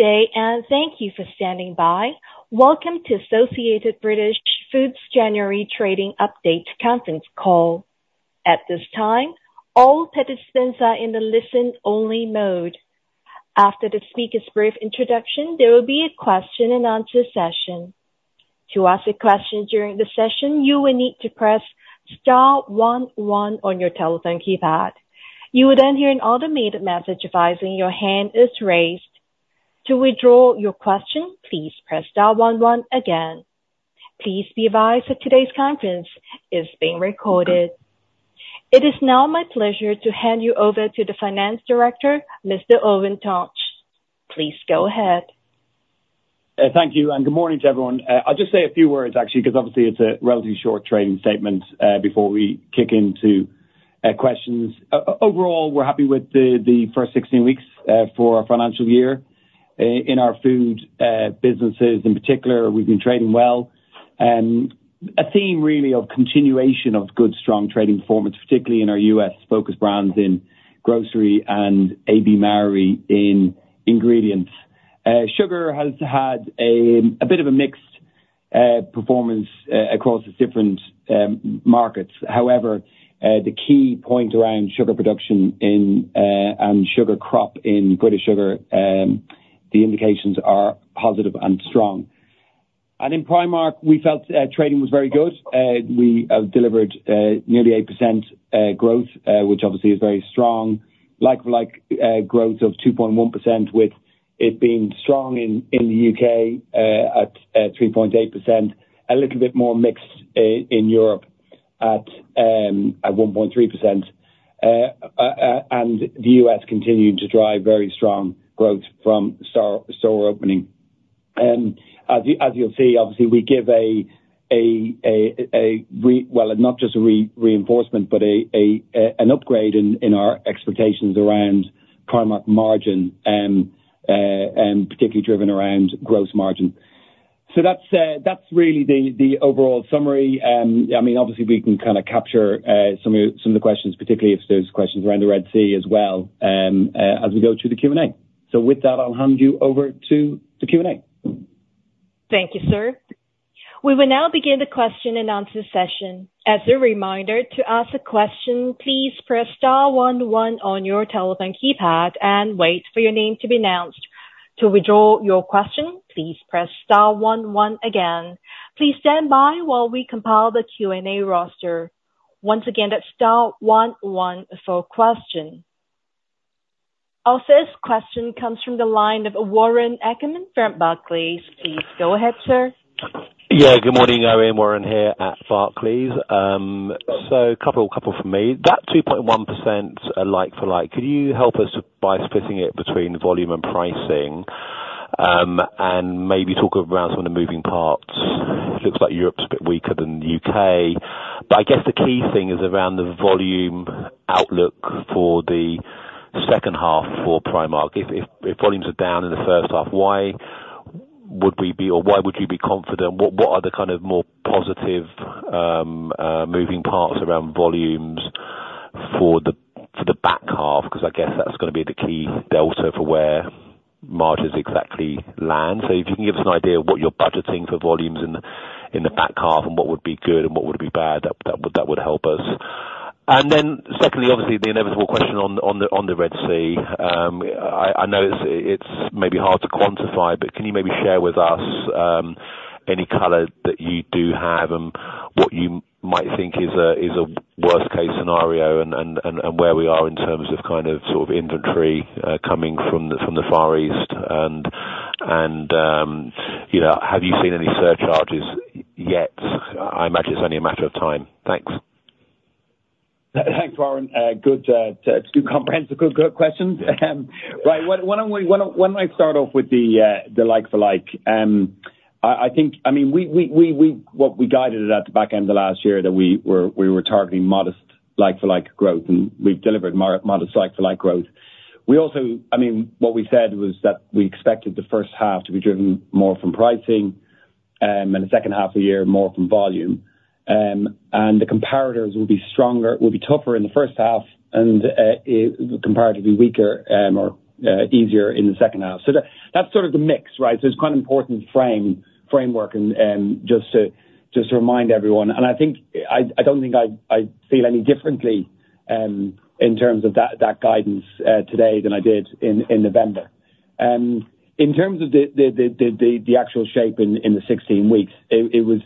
Good day, and thank you for standing by. Welcome to Associated British Foods January trading update conference call. At this time, all participants are in the listen-only mode. After the speaker's brief introduction, there will be a question and answer session. To ask a question during the session, you will need to press star one one on your telephone keypad. You will then hear an automated message advising your hand is raised. To withdraw your question, please press star one one again. Please be advised that today's conference is being recorded. It is now my pleasure to hand you over to the finance director, Mr. Eoin Tonge. Please go ahead. Thank you, and good morning to everyone. I'll just say a few words, actually, 'cause obviously it's a relatively short trading statement, before we kick into questions. Overall, we're happy with the first 16 weeks for our financial year. In our food businesses in particular, we've been trading well, and a theme really of continuation of good, strong trading performance, particularly in our U.S.-focused brands in grocery and AB Mauri in ingredients. Sugar has had a bit of a mixed performance across its different markets. However, the key point around sugar production in and sugar crop in British Sugar, the indications are positive and strong. And in Primark, we felt trading was very good. We have delivered nearly 8% growth, which obviously is very strong. Like-for-like growth of 2.1%, with it being strong in the UK at 3.8%, a little bit more mixed in Europe at 1.3%. And the US continued to drive very strong growth from store opening. As you'll see, obviously, we give, well, not just a reinforcement, but an upgrade in our expectations around Primark margin, and particularly driven around gross margin. So that's really the overall summary. I mean, obviously, we can kind of capture some of the questions, particularly if there's questions around the Red Sea as well, as we go through the Q&A. So with that, I'll hand you over to the Q&A. Thank you, sir. We will now begin the question and answer session. As a reminder, to ask a question, please press star one one on your telephone keypad and wait for your name to be announced. To withdraw your question, please press star one one again. Please stand by while we compile the Q&A roster. Once again, that's star one one for question. Our first question comes from the line of Warren Ackerman from Barclays. Please go ahead, sir. Yeah, good morning, Eoin. Warren here at Barclays. So, couple from me. That 2.1% like-for-like, could you help us by splitting it between volume and pricing? And maybe talk around some of the moving parts. Looks like Europe's a bit weaker than the UK, but I guess the key thing is around the volume outlook for the second half for Primark. If volumes are down in the first half, why would we be, or why would you be confident? What are the kind of more positive moving parts around volumes for the back half? 'Cause I guess that's gonna be the key delta for where margins exactly land. So if you can give us an idea of what you're budgeting for volumes in the back half, and what would be good and what would be bad, that would help us. And then secondly, obviously, the inevitable question on the Red Sea. I know it's maybe hard to quantify, but can you maybe share with us any color that you do have, and what you might think is a worst case scenario and where we are in terms of kind of sort of inventory coming from the Far East? And you know, have you seen any surcharges yet? I imagine it's only a matter of time. Thanks. Thanks, Warren. Good, too comprehensive, good questions. Right. Why don't I start off with the like-for-like? I think, I mean, what we guided at the back end of last year, that we were targeting modest like-for-like growth, and we've delivered modest like-for-like growth. We also, I mean, what we said was that we expected the first half to be driven more from pricing, and the second half of the year, more from volume. And the comparators will be stronger, tougher in the first half and comparatively weaker, or easier, in the second half. So that's sort of the mix, right? So it's quite an important framework and, just to remind everyone, and I think I don't think I feel any differently in terms of that guidance today than I did in November. In terms of the actual shape in the 16 weeks, it was.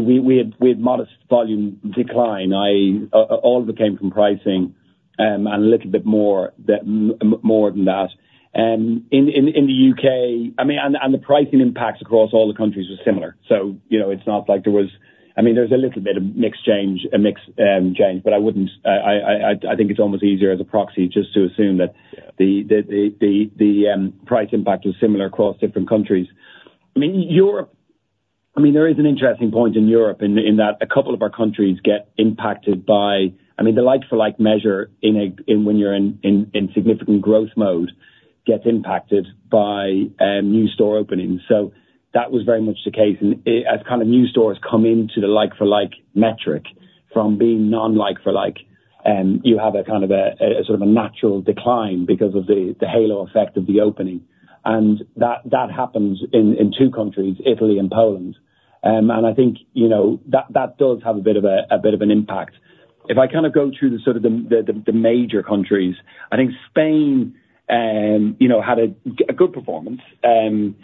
We had modest volume decline. All of it came from pricing and a little bit more than more than that. In the UK, I mean, and the pricing impacts across all the countries were similar. So, you know, it's not like there was. I mean, there's a little bit of mix change, a mix change, but I wouldn't. I think it's almost easier as a proxy just to assume that the price impact is similar across different countries. I mean, Europe, I mean, there is an interesting point in Europe in that a couple of our countries get impacted by I mean, the like-for-like measure when you're in significant growth mode gets impacted by new store openings. So that was very much the case, and as kind of new stores come into the like-for-like metric from being non like-for-like, you have a kind of a sort of a natural decline because of the halo effect of the opening. And that happens in two countries, Italy and Poland. And I think, you know, that, that does have a bit of a, a bit of an impact. If I kind of go through the, sort of the major countries, I think Spain, you know, had a good performance. And,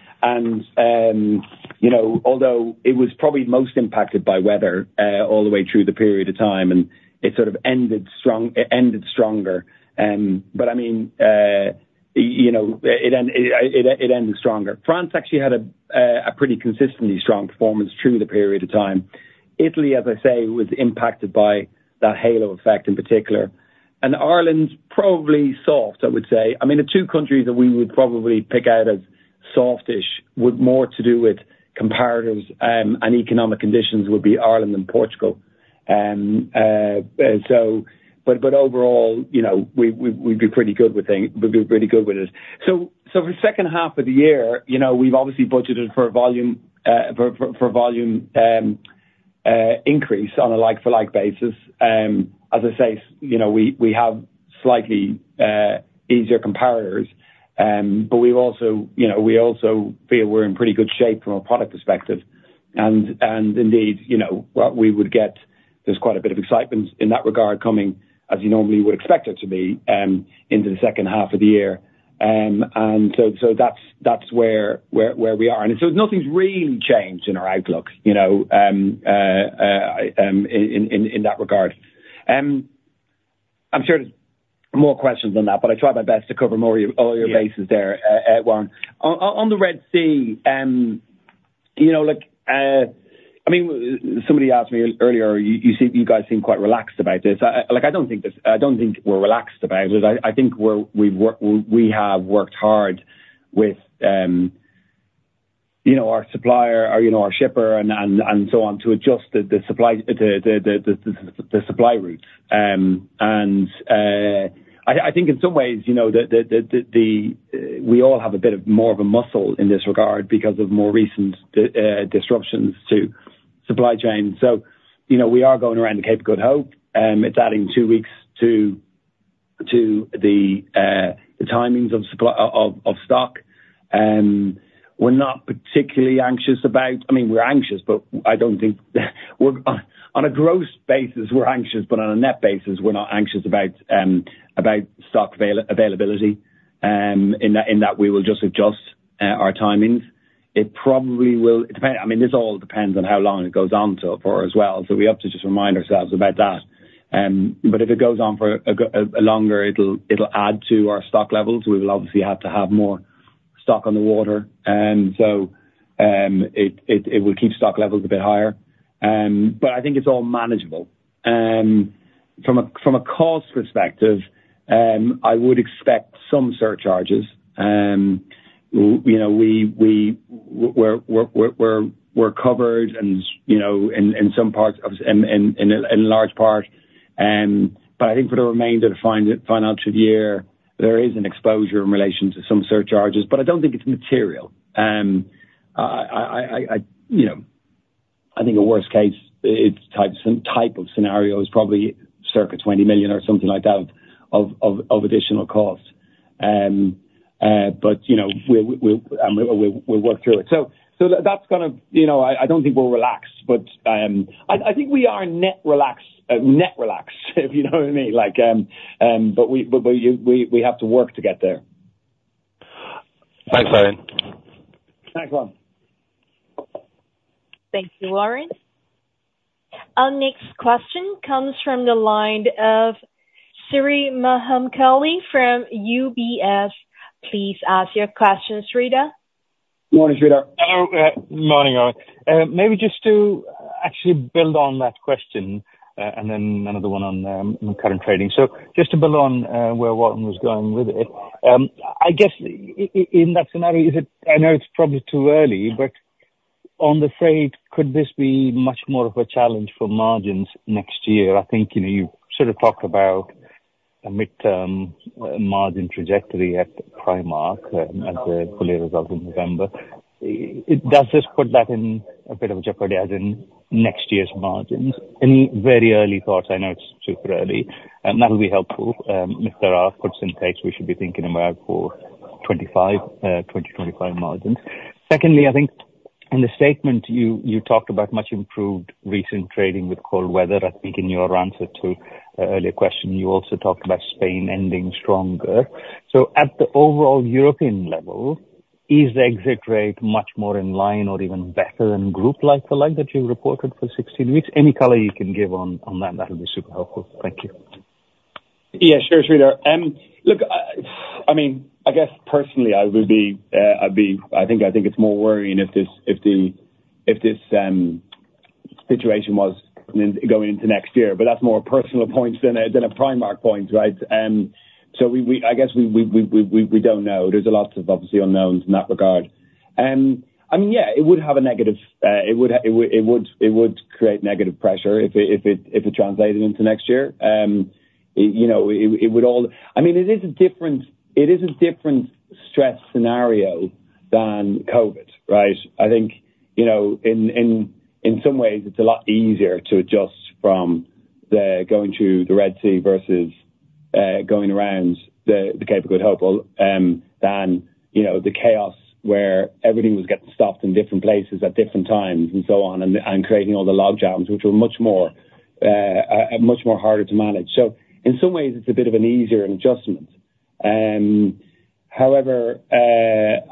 you know, although it was probably most impacted by weather, all the way through the period of time, and it sort of ended strong, it ended stronger. But I mean, you know, it ended stronger. France actually had a pretty consistently strong performance through the period of time. Italy, as I say, was impacted by that halo effect in particular. And Ireland's probably soft, I would say. I mean, the two countries that we would probably pick out as softish, with more to do with comparatives, and economic conditions would be Ireland and Portugal. And so. But overall, you know, we do pretty good with it. So for the second half of the year, you know, we've obviously budgeted for volume increase on a like-for-like basis. As I say, you know, we have slightly easier comparators, but we've also, you know, we also feel we're in pretty good shape from a product perspective. And indeed, you know, what we would get, there's quite a bit of excitement in that regard coming, as you normally would expect it to be, into the second half of the year. And so that's where we are. And so nothing's really changed in our outlook, you know, in that regard. I'm sure there's more questions than that, but I tried my best to cover all your bases there, Warren. On the Red Sea, you know, look, I mean, somebody asked me earlier, "You seem, you guys seem quite relaxed about this." Like, I don't think we're relaxed about it. I think we've worked hard with, you know, our supplier, or, you know, our shipper and so on, to adjust the supply routes. And I think in some ways, you know, we all have a bit more of a muscle in this regard because of more recent disruptions to supply chain. So, you know, we are going around the Cape of Good Hope. It's adding two weeks to the timings of supply of stock. We're not particularly anxious about, I mean, we're anxious, but I don't think we're on a gross basis, we're anxious, but on a net basis, we're not anxious about stock availability, in that we will just adjust our timings. It probably will depend. I mean, this all depends on how long it goes on for as well, so we have to just remind ourselves about that. But if it goes on for longer, it'll add to our stock levels. We will obviously have to have more stock on the water, and so, it will keep stock levels a bit higher. But I think it's all manageable. From a cost perspective, I would expect some surcharges. You know, we're covered and, you know, in some parts, obviously in large part. But I think for the remainder of the financial year, there is an exposure in relation to some surcharges, but I don't think it's material. You know, I think a worst case, it's type of scenario is probably circa 20 million or something like that, of additional cost. But, you know, we'll work through it. So that's kind of. You know, I don't think we're relaxed, but I think we are net relaxed, net relaxed, if you know what I mean. Like, but we have to work to get there. Thanks, Warren. Thanks, Warren. Thank you, Warren. Our next question comes from the line of Sridhar Mahamkali from UBS. Please ask your question, Sriram. Morning, Sriram. Hello. Morning, Warren. Maybe just to actually build on that question, and then another one on current trading. So just to build on where Warren was going with it, I guess in that scenario, is it, I know it's probably too early, but on the freight, could this be much more of a challenge for margins next year? I think, you know, you sort of talked about a midterm margin trajectory at Primark at the full year results in November. Does this put that in a bit of a jeopardy as in next year's margins? Any very early thoughts, I know it's super early, and that'll be helpful if there are but insights we should be thinking about for 2025, 2025 margins. Secondly, I think in the statement, you talked about much improved recent trading with cold weather. I think in your answer to an earlier question, you also talked about Spain ending stronger. So at the overall European level, is the exit rate much more in line or even better than group like-for-like that you reported for 16 weeks? Any color you can give on that, that'll be super helpful. Thank you. Yeah, sure, Sriram. Look, I mean, I guess personally, I would be, I'd be, I think, I think it's more worrying if this, if the, if this situation was going into next year, but that's more a personal point than a Primark point, right? So we don't know. There's a lot of, obviously, unknowns in that regard. I mean, yeah, it would create negative pressure if it translated into next year. You know, I mean, it is a different stress scenario than COVID, right? I think, you know, in some ways it's a lot easier to adjust from the going to the Red Sea versus going around the Cape of Good Hope than, you know, the chaos where everything was getting stopped in different places at different times, and so on, and creating all the logjams, which were much more harder to manage. So in some ways, it's a bit of an easier adjustment. However,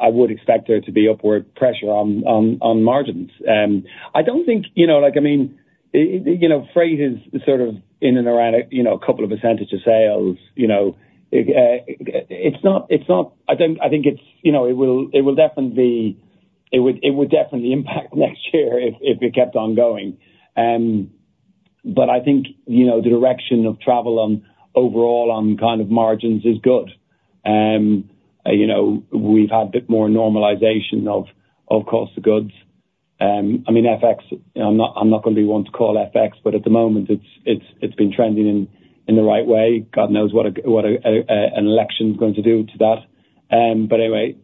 I would expect there to be upward pressure on margins. I don't think, you know, like, I mean, you know, freight is sort of in and around, you know, a couple of percentage of sales, you know? It's not, it's not—I don't, I think it's, you know, it will, it will definitely be. It would definitely impact next year if it kept on going. But I think, you know, the direction of travel on overall, on kind of margins is good. You know, we've had a bit more normalization of cost of goods. I mean, FX, I'm not gonna be one to call FX, but at the moment it's been trending in the right way. God knows what an election's going to do to that. But anyway,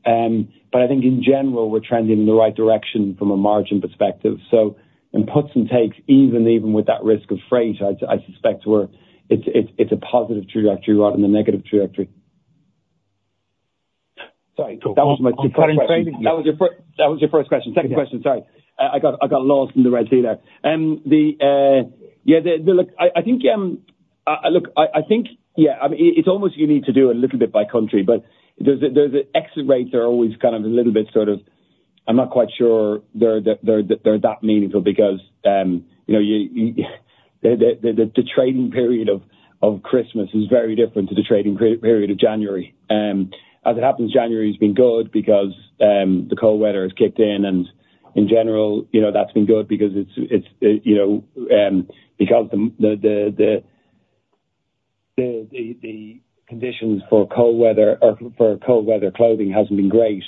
but I think in general, we're trending in the right direction from a margin perspective. So in puts and takes, even with that risk of freight, I suspect it's a positive trajectory rather than a negative trajectory. Sorry. That was my first On current trade. That was your first question. Yeah. Second question, sorry. I got lost in the Red Sea there. Yeah, I think, yeah, I mean, it's almost you need to do a little bit by country, but the exit rates are always kind of a little bit sort of, I'm not quite sure they're that meaningful because, you know, the conditions for cold weather clothing hasn't been great.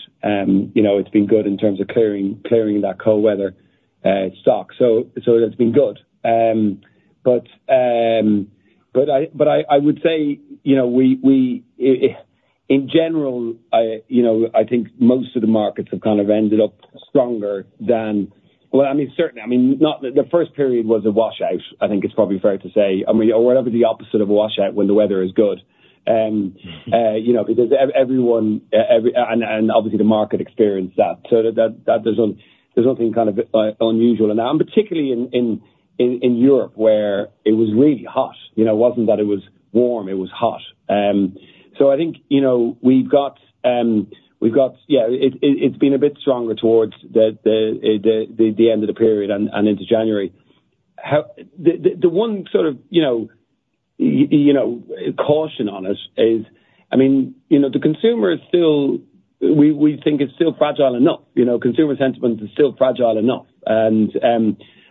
You know, it's been good in terms of clearing that cold weather stock. So, it has been good. But I would say, you know, in general, I think most of the markets have kind of ended up stronger than. Well, I mean, certainly, the first period was a washout, I think it's probably fair to say. I mean, or whatever the opposite of a washout, when the weather is good. Mm-hmm. You know, because everyone and obviously the market experienced that. So that, there's nothing kind of unusual. And particularly in Europe, where it was really hot, you know? It wasn't that it was warm, it was hot. So I think, you know, we've got. Yeah, it's been a bit stronger towards the end of the period and into January. The one sort of, you know, caution on it is, I mean, you know, the consumer is still. We think is still fragile enough, you know, consumer sentiments are still fragile enough.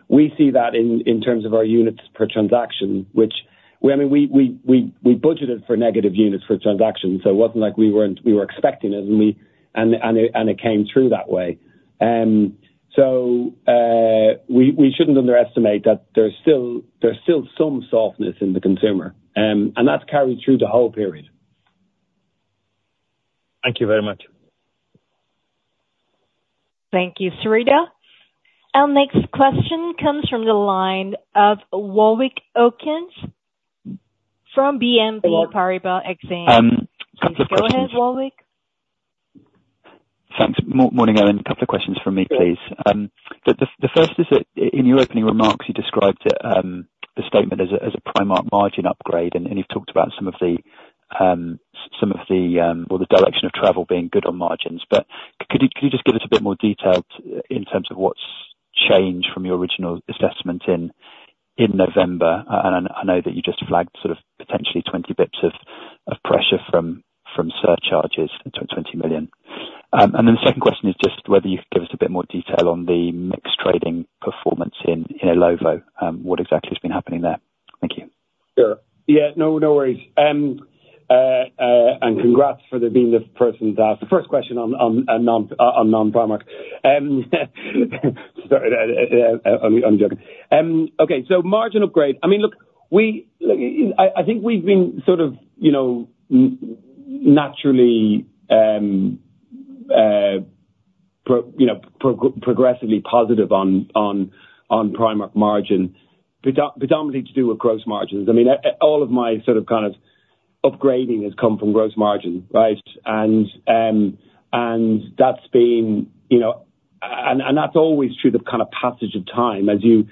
We see that in terms of our units per transaction, which, well, I mean, we budgeted for negative units per transaction, so it wasn't like we weren't expecting it, and it came through that way. So, we shouldn't underestimate that there's still some softness in the consumer, and that's carried through the whole period. Thank you very much. Thank you, Sridhar. Our next question comes from the line of Warwick Okines from BNP Paribas Exane. Couple questions Please go ahead, Warwick. Thanks. Morning, everyone. A couple of questions from me, please. The first is that, in your opening remarks, you described the statement as a Primark margin upgrade, and you've talked about some of the, well, the direction of travel being good on margins, but could you just give us a bit more detail in terms of what's changed from your original assessment in November? And I know that you just flagged sort of potentially 20 basis points of pressure from surcharges, 20 million. And then the second question is just whether you could give us a bit more detail on the mixed trading performance in Illovo, what exactly has been happening there? Thank you. Sure. Yeah, no, no worries. And congrats for being the person that asked the first question on non-Primark. Sorry, I'm joking. Okay, so margin upgrade. I mean, look, we I think we've been sort of, you know, naturally progressively positive on Primark margin, predominantly to do with gross margins. I mean, all of my sort of, kind of upgrading has come from gross margin, right? And, and that's been, you know. That's always true, the kind of passage of time as you,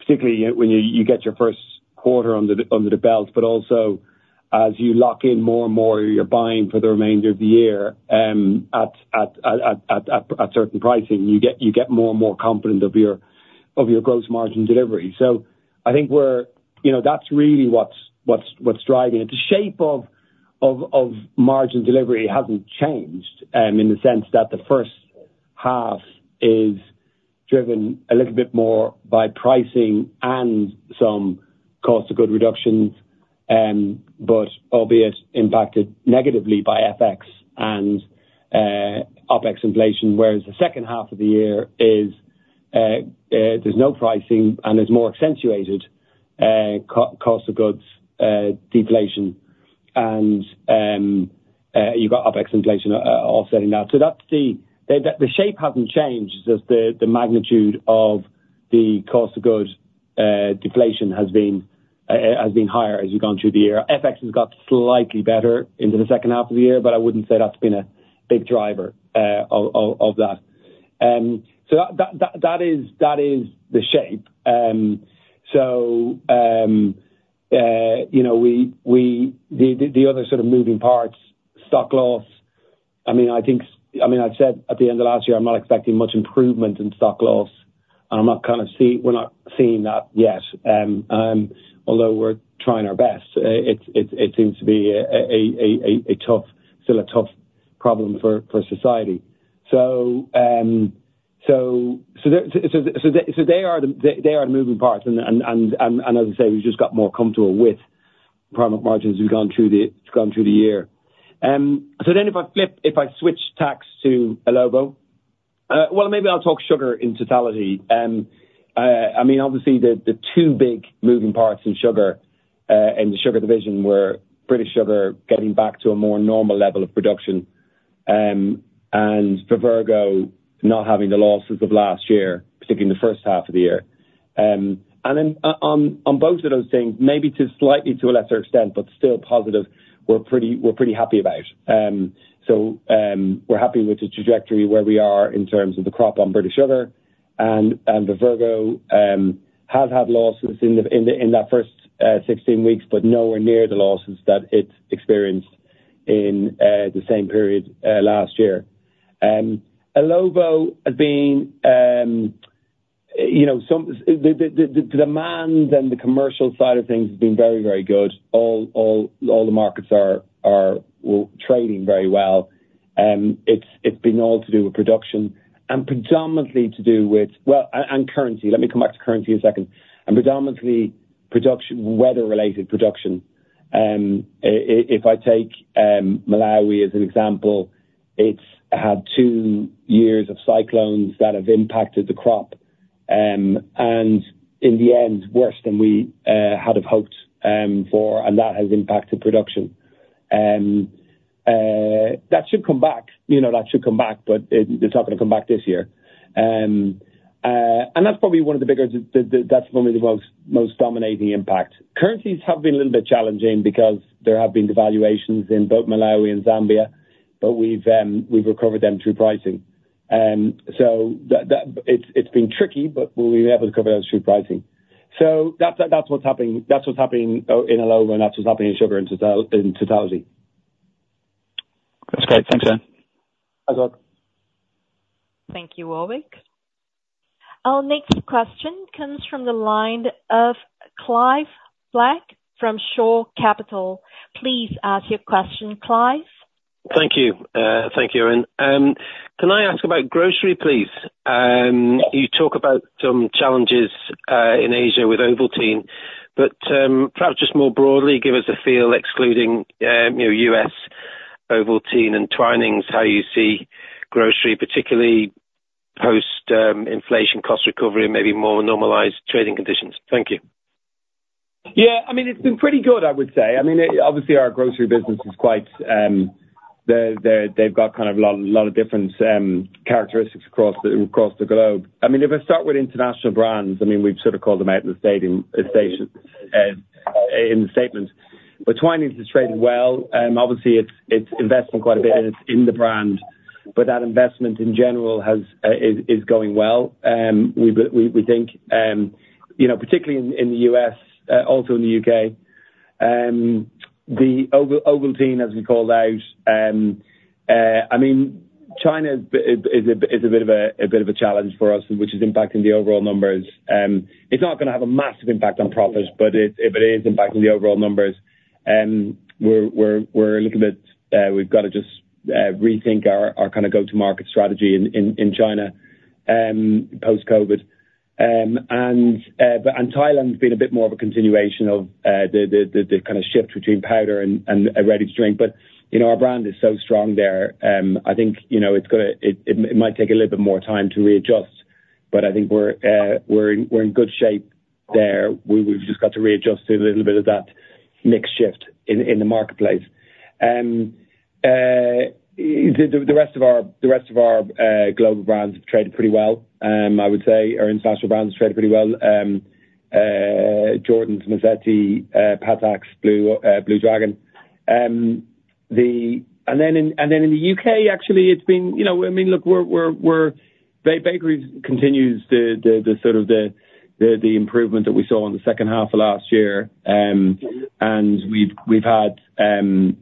particularly when you get your first quarter under the belt, but also as you lock in more and more, you're buying for the remainder of the year, at certain pricing, you get more and more confident of your gross margin delivery. So I think we're. You know, that's really what's driving it. The shape of margin delivery hasn't changed, in the sense that the first half is driven a little bit more by pricing and some cost of goods reductions, but albeit impacted negatively by FX and OpEx inflation. Whereas the second half of the year is there's no pricing, and there's more accentuated cost of goods deflation. You've got OpEx inflation offsetting that. So that's the shape hasn't changed, just the magnitude of the cost of goods deflation has been higher as you've gone through the year. FX has got slightly better into the second half of the year, but I wouldn't say that's been a big driver of that. So that is the shape. So, you know, we, the other sort of moving parts, stock loss, I mean, I think, I mean, I've said at the end of last year, I'm not expecting much improvement in stock loss. I'm not kind of seeing we're not seeing that yet. Although we're trying our best, it seems to be a tough, still a tough problem for society. So, they are the moving parts, and as I say, we've just got more comfortable with product margins as we've gone through the year. So then if I flip, if I switch next to Illovo, well, maybe I'll talk sugar in totality. I mean, obviously the two big moving parts in sugar, in the sugar division were British Sugar getting back to a more normal level of production, and Vivergo not having the losses of last year, particularly in the first half of the year. And then on both of those things, maybe slightly to a lesser extent, but still positive, we're pretty, we're pretty happy about. So, we're happy with the trajectory where we are in terms of the crop on British Sugar, and Vivergo has had losses in that first 16 weeks, but nowhere near the losses that it experienced in the same period last year. Illovo has been, you know, the demand and the commercial side of things has been very, very good. All the markets are trading very well. It's been all to do with production and predominantly to do with well, and currency. Let me come back to currency a second, and predominantly production, weather-related production. If I take Malawi as an example, it's had two years of cyclones that have impacted the crop, and in the end, worse than we had hoped for, and that has impacted production. That should come back, you know, that should come back, but it's not gonna come back this year. And that's probably one of the biggest, that's probably the most dominating impact. Currencies have been a little bit challenging because there have been devaluations in both Malawi and Zambia, but we've recovered them through pricing. So it's been tricky, but we've been able to cover those through pricing. So that's what's happening in Illovo, and that's what's happening in sugar in total - in totality. That's great. Thanks, Eoin. Bye, bye. Thank you, Warwick. Our next question comes from the line of Clive Black from Shore Capital. Please ask your question, Clive. Thank you, thank you, Eoin. Can I ask about grocery, please? You talk about some challenges in Asia with Ovaltine, but perhaps just more broadly, give us a feel, excluding, you know, U.S. Ovaltine and Twinings, how you see grocery, particularly post inflation cost recovery and maybe more normalized trading conditions. Thank you. Yeah, I mean, it's been pretty good, I would say. I mean, obviously, our grocery business is quite, they've got kind of a lot of different characteristics across the globe. I mean, if I start with international brands, I mean, we've sort of called them out in the statement. But Twinings is trading well, obviously it's investing quite a bit, and it's in the brand, but that investment in general is going well. We think, you know, particularly in the US, also in the UK, the Ovaltine, as we called out, I mean, China is a bit of a challenge for us, which is impacting the overall numbers. It's not gonna have a massive impact on profits, but it is impacting the overall numbers. We're looking at, we've got to just rethink our kind of go-to market strategy in China post-COVID. And Thailand's been a bit more of a continuation of the kind of shift between powder and ready to drink. But, you know, our brand is so strong there, I think, you know, it's gonna, it might take a little bit more time to readjust, but I think we're in good shape there. We've just got to readjust to a little bit of that mix shift in the marketplace. The rest of our global brands have traded pretty well. I would say our international brands have traded pretty well. Jordans, Mazzetti, Patak's, Blue Dragon. And then in the U.K., actually, it's been, you know, I mean, look, Bakery continues the sort of the improvement that we saw in the second half of last year. And we've had, you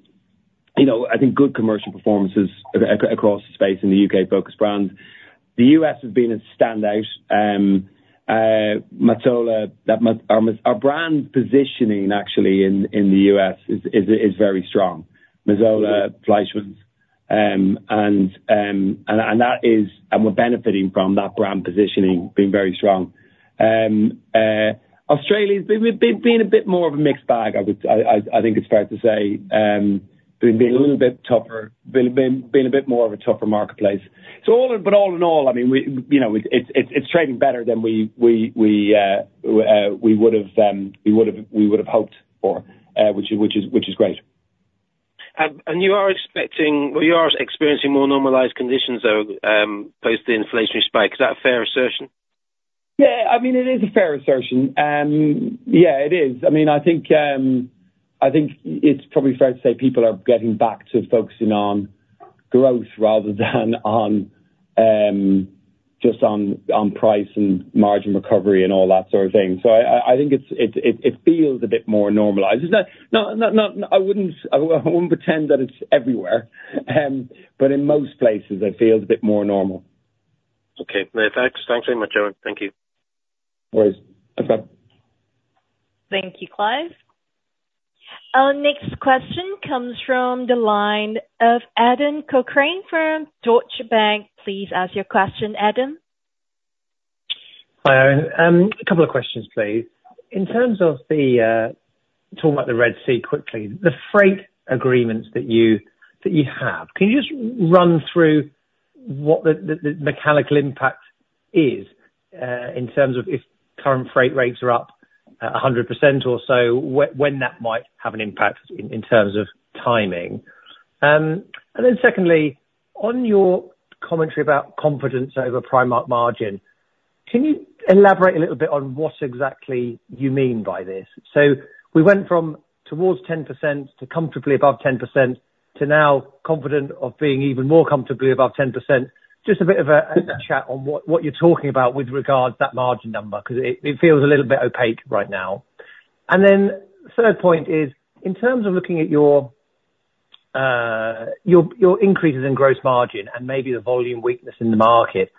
know, I think good commercial performances across the space in the U.K.-focused brands. The U.S. has been a standout. Mazola, that our brand positioning, actually, in the U.S. is very strong. Mazola, Fleischmann's, and that is, and we're benefiting from that brand positioning being very strong. Australia is, they've been a bit more of a mixed bag, I think it's fair to say. Been a little bit tougher, a bit more of a tougher marketplace. But all in all, I mean, you know, it's trading better than we would've hoped for, which is great. You are expecting, well, you are experiencing more normalized conditions, though, post the inflationary spike. Is that a fair assertion? Yeah. I mean, it is a fair assertion. Yeah, it is. I mean, I think it's probably fair to say people are getting back to focusing on growth rather than on just on price and margin recovery and all that sort of thing. So I think it's, it feels a bit more normalized. It's not – I wouldn't, I won't pretend that it's everywhere, but in most places it feels a bit more normal. Okay. No, thanks. Thanks very much, Eoin. Thank you. No worries. Bye bye. Thank you, Clive. Our next question comes from the line of Adam Cochrane from Deutsche Bank. Please ask your question, Adam. Hi, Eoin. A couple of questions, please. In terms of talking about the Red Sea quickly, the freight agreements that you have, can you just run through what the mechanical impact is in terms of if current freight rates are up 100% or so, when that might have an impact in terms of timing? And then secondly, on your commentary about confidence over Primark margin, can you elaborate a little bit on what exactly you mean by this? So we went from towards 10%, to comfortably above 10%, to now confident of being even more comfortably above 10%. Just a bit of a chat on what you're talking about with regard to that margin number, 'cause it feels a little bit opaque right now. The third point is, in terms of looking at your increases in gross margin and maybe the volume weakness in the market,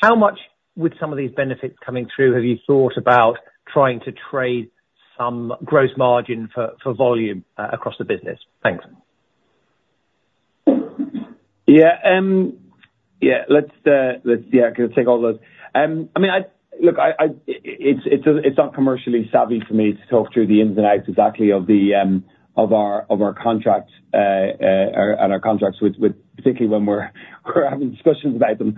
how much, with some of these benefits coming through, have you thought about trying to trade some gross margin for volume across the business? Thanks. Yeah, yeah, let's, let's, yeah, I can take all those. I mean, look, it's not commercially savvy for me to talk through the ins and outs exactly of our contracts, and our contracts with, with, particularly when we're having discussions about them.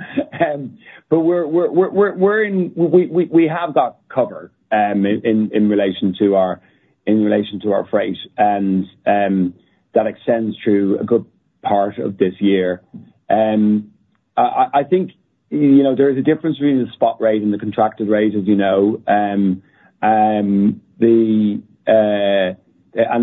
But we're in. We have got covered in relation to our freight, and that extends through a good part of this year. I think, you know, there is a difference between the spot rate and the contracted rate, as you know. And the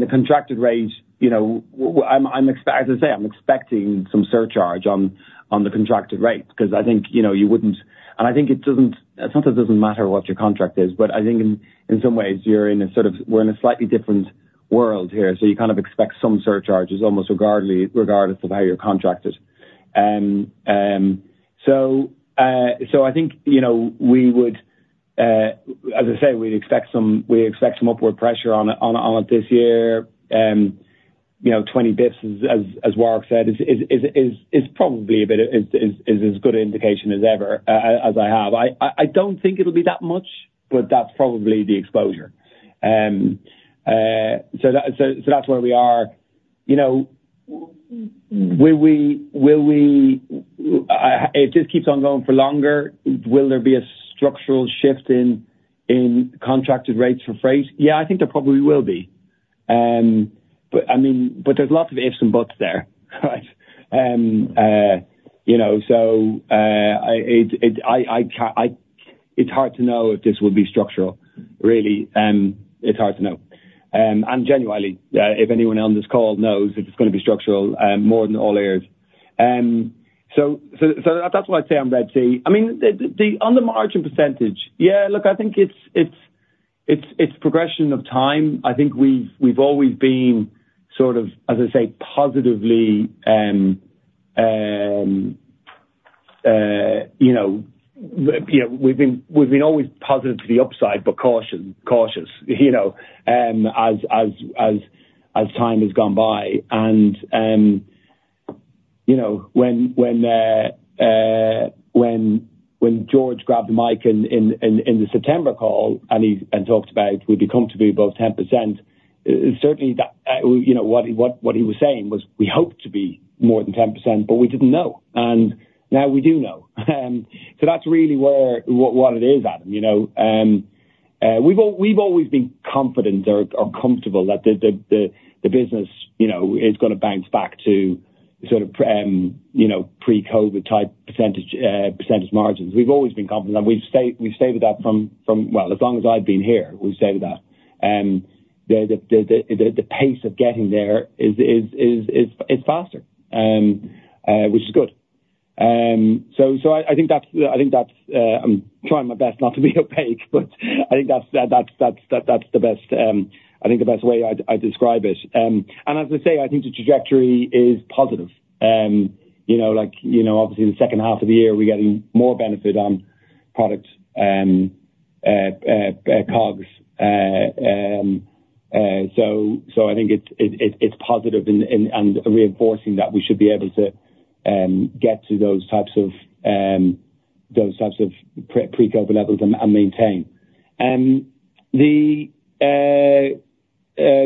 contracted rate, you know, as I say, I'm expecting some surcharge on the contracted rate, 'cause I think, you know, you wouldn't. And I think it doesn't, sometimes it doesn't matter what your contract is, but I think in some ways you're in a sort of, we're in a slightly different world here, so you kind of expect some surcharges almost regardless, regardless of how you're contracted. So I think, you know, as I say, we'd expect some, we expect some upward pressure on it this year. You know, 20 basis points, as Warwick said, is probably as good an indication as ever, as I have. I don't think it'll be that much, but that's probably the exposure. So that's where we are. You know, it just keeps on going for longer, will there be a structural shift in contracted rates for freight? Yeah, I think there probably will be. But I mean, but there's lots of ifs and buts there, right? You know, so it's hard to know if this will be structural, really. It's hard to know. And genuinely, if anyone on this call knows if it's gonna be structural, I'm all ears. So that's what I'd say on Red Sea. I mean, on the margin percentage, yeah, look, I think it's progression of time. I think we've always been sort of, as I say, positively, you know, we've been always positive to the upside, but cautious, you know, as time has gone by. You know, when George grabbed the mic in the September call, and he talked about would we be comfortable above 10%, certainly what he was saying was, we hope to be more than 10%, but we didn't know, and now we do know. So that's really what it is, Adam, you know? We've always been confident or comfortable that the business, you know, is gonna bounce back to sort of, you know, pre-COVID type percentage margins. We've always been confident, and we've stayed with that from, well, as long as I've been here, we've stayed with that. The pace of getting there is faster, which is good. So, I think that's, I'm trying my best not to be opaque, but I think that's the best, I think the best way I'd describe it. And as I say, I think the trajectory is positive. You know, like, you know, obviously the second half of the year, we're getting more benefit on product, COGS. So, I think it's positive and reinforcing that we should be able to get to those types of pre-COVID levels and maintain. The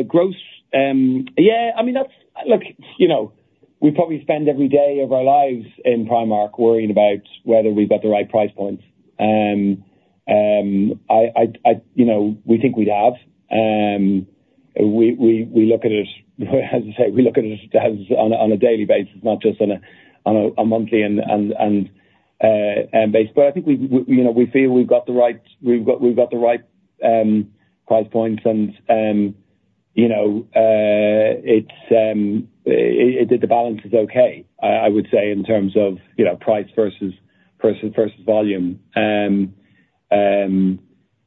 gross, yeah, I mean, that's, look, you know, we probably spend every day of our lives in Primark worrying about whether we've got the right price points. You know, we think we'd have, we look at it, as I say, we look at it on a daily basis, not just on a monthly basis. But I think we, you know, we feel we've got the right price points, and, you know, the balance is okay, I would say, in terms of, you know, price versus volume.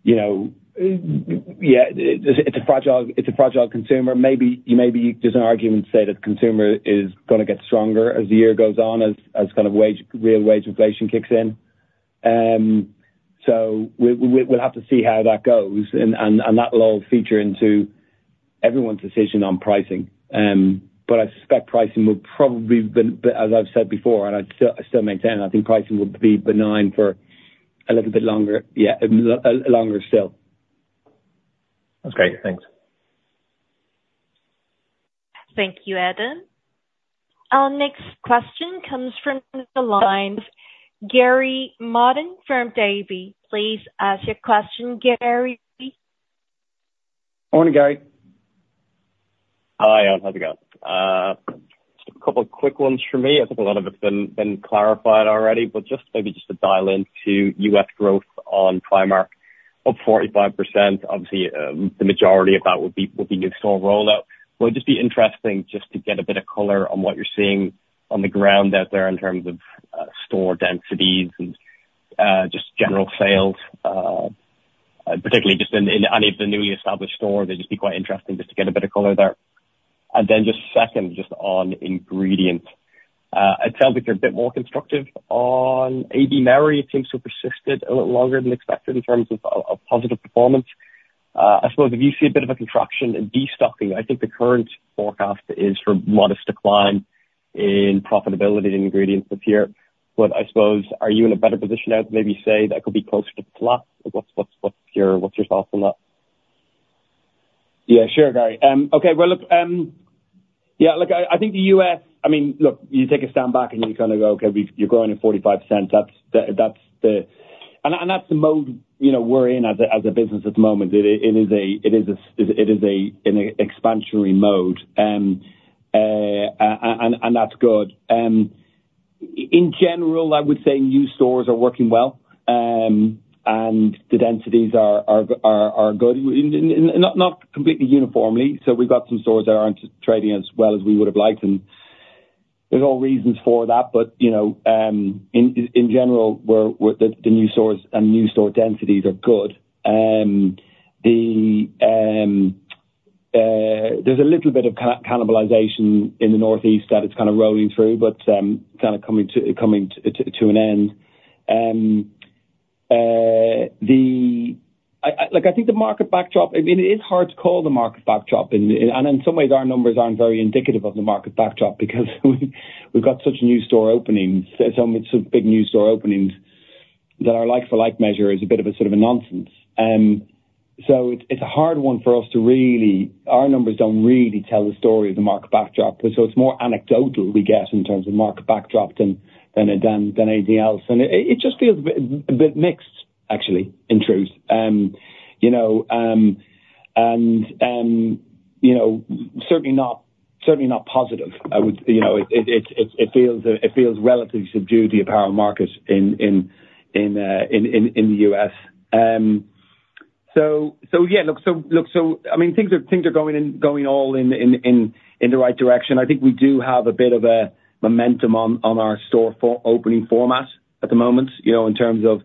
You know, yeah, it's a fragile consumer. Maybe there's an argument to say that the consumer is gonna get stronger as the year goes on, as kind of wage, real wage inflation kicks in. So we'll have to see how that goes, and that'll feature into everyone's decision on pricing. But I suspect pricing will probably be as I've said before, and I'd still, I still maintain, I think pricing will be benign for a little bit longer, yeah, a little longer still. That's great. Thanks. Thank you, Adam. Our next question comes from the line, Gary Martin from Davy. Please ask your question, Gary. Morning, Gary. Hi, how's it going? Just a couple of quick ones from me. I think a lot of it's been clarified already, but just maybe just to dial into US growth on Primark, up 45%. Obviously, the majority of that would be new store rollout. Would it just be interesting just to get a bit of color on what you're seeing on the ground out there in terms of store densities and just general sales, particularly just in any of the newly established stores. It'd just be quite interesting just to get a bit of color there. And then just second, just on ingredient. It sounds like you're a bit more constructive on AB Mauri. It seems to have persisted a little longer than expected in terms of positive performance. I suppose if you see a bit of a contraction in destocking, I think the current forecast is for modest decline in profitability and ingredients this year. But I suppose, are you in a better position now to maybe say that could be closer to plus? What's, what's, what's your, what's your thoughts on that? Yeah, sure, Gary. Okay, well, look, yeah, look, I think the US, I mean, look, you take a step back, and you kind of go, okay, you're growing at 45%. That's the, that's the-- and that's the mode, you know, we're in as a business at the moment. It is a, it is an expansionary mode, and that's good. In general, I would say new stores are working well, and the densities are good. Not completely uniformly, so we've got some stores that aren't trading as well as we would have liked, and there's all reasons for that, but, you know, in general, the new stores and new store densities are good. There's a little bit of cannibalization in the Northeast that is kind of rolling through, but kind of coming to an end. I like, I think the market backdrop, I mean, it is hard to call the market backdrop, and in some ways, our numbers aren't very indicative of the market backdrop because we've got such new store openings, so some big new store openings, that our like-for-like measure is a bit of a sort of a nonsense. So it's a hard one for us to really. Our numbers don't really tell the story of the market backdrop, so it's more anecdotal, we guess, in terms of market backdrop than anything else. It just feels a bit mixed, actually, in truth. You know, certainly not positive. I would. You know, it feels relatively subdued, the apparel market in the U.S. So yeah, look, I mean, things are going all in the right direction. I think we do have a bit of a momentum on our store-opening format at the moment, you know, in terms of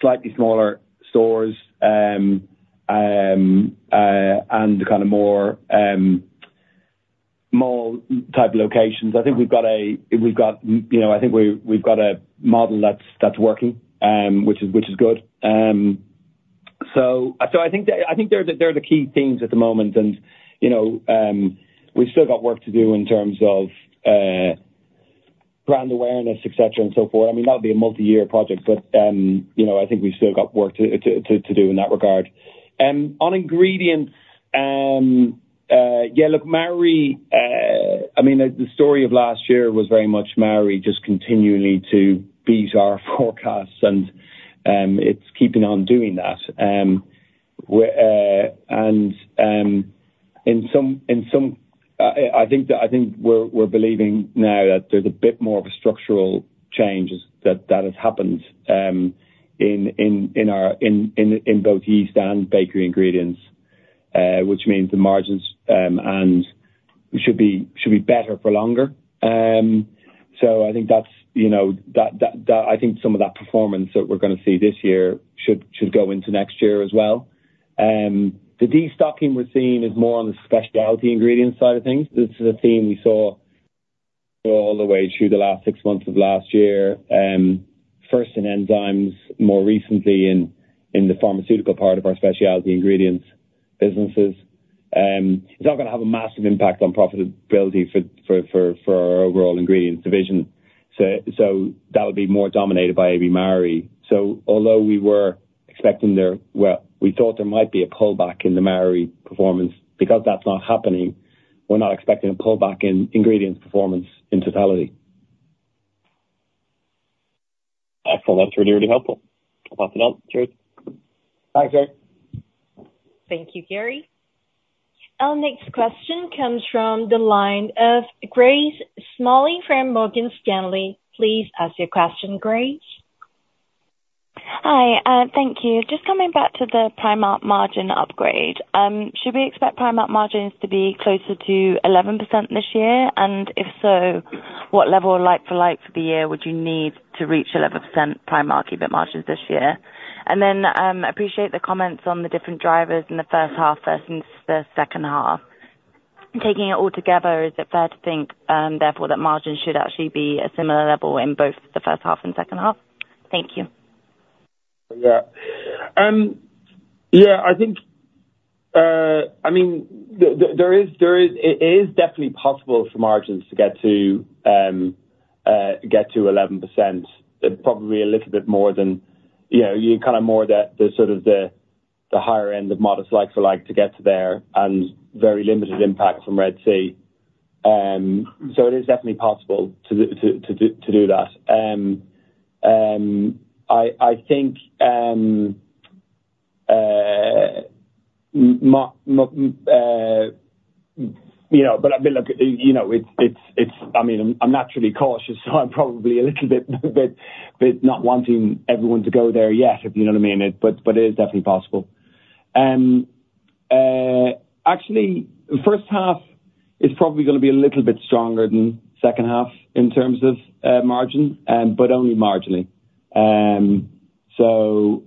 slightly smaller stores and kind of more mall-type locations. I think we've got a model that's working, which is good. So, I think they're the key themes at the moment, and, you know, we've still got work to do in terms of brand awareness, et cetera, and so forth. I mean, that'll be a multi-year project, but, you know, I think we've still got work to do in that regard. On ingredients, yeah, look, Mauri, I mean, the story of last year was very much Mauri just continuing to beat our forecasts, and, it's keeping on doing that. We're, and, in some, in some. I think we're believing now that there's a bit more of a structural change that has happened in both yeast and bakery ingredients, which means the margins and should be better for longer. So I think that's, you know, I think some of that performance that we're gonna see this year should go into next year as well. The destocking we're seeing is more on the specialty ingredients side of things. This is a theme we saw all the way through the last six months of last year, first in enzymes, more recently in the pharmaceutical part of our specialty ingredients businesses. It's not gonna have a massive impact on profitability for our overall ingredients division. So that would be more dominated by AB Mauri. So although we were expecting there, well, we thought there might be a pullback in the Mauri performance. Because that's not happening, we're not expecting a pullback in ingredients performance in totality. Excellent. That's really, really helpful. Thanks a lot. Cheers. Bye, Gary. Thank you, Gary. Our next question comes from the line of Grace Smalley from Morgan Stanley. Please ask your question, Grace. Hi, thank you. Just coming back to the Primark margin upgrade, should we expect Primark margins to be closer to 11% this year? And if so, what level of like-for-like for the year would you need to reach 11% Primark EBITDA margins this year? And then, appreciate the comments on the different drivers in the first half versus the second half. Taking it all together, is it fair to think, therefore, that margins should actually be a similar level in both the first half and second half? Thank you. Yeah. Yeah, I think, I mean, there is, it is definitely possible for margins to get to, get to 11%, probably a little bit more than, you know, you kind of more the, the sort of the, the higher end of modest like-for-like to get to there, and very limited impact from Red Sea. So it is definitely possible to do that. I think, you know, but I mean, look, you know, it's, I mean, I'm naturally cautious, so I'm probably a little bit not wanting everyone to go there yet, if you know what I mean. But it is definitely possible. Actually, the first half is probably gonna be a little bit stronger than second half in terms of margin, but only marginally. So,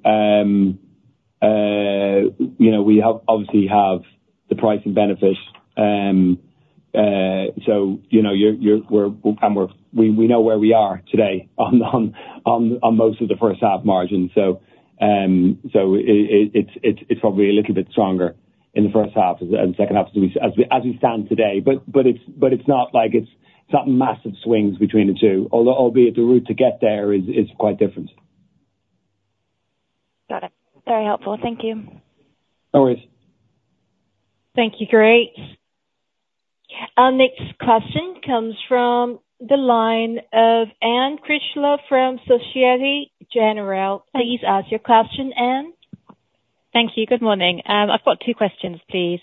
you know, we have, obviously have the pricing benefit. So, you know, you're, you're, we're, we're, we, we know where we are today on, on, on, on most of the first half margins. So, so it, it, it's, it's probably a little bit stronger in the first half than the second half as we, as we, as we stand today, but, but it's, but it's not like it's not massive swings between the two, although albeit the route to get there is, is quite different. Got it. Very helpful. Thank you. No worries. Thank you, Grace. Our next question comes from the line of Anne Critchlow from Société Générale. Please ask your question, Anne. Thank you. Good morning. I've got two questions, please.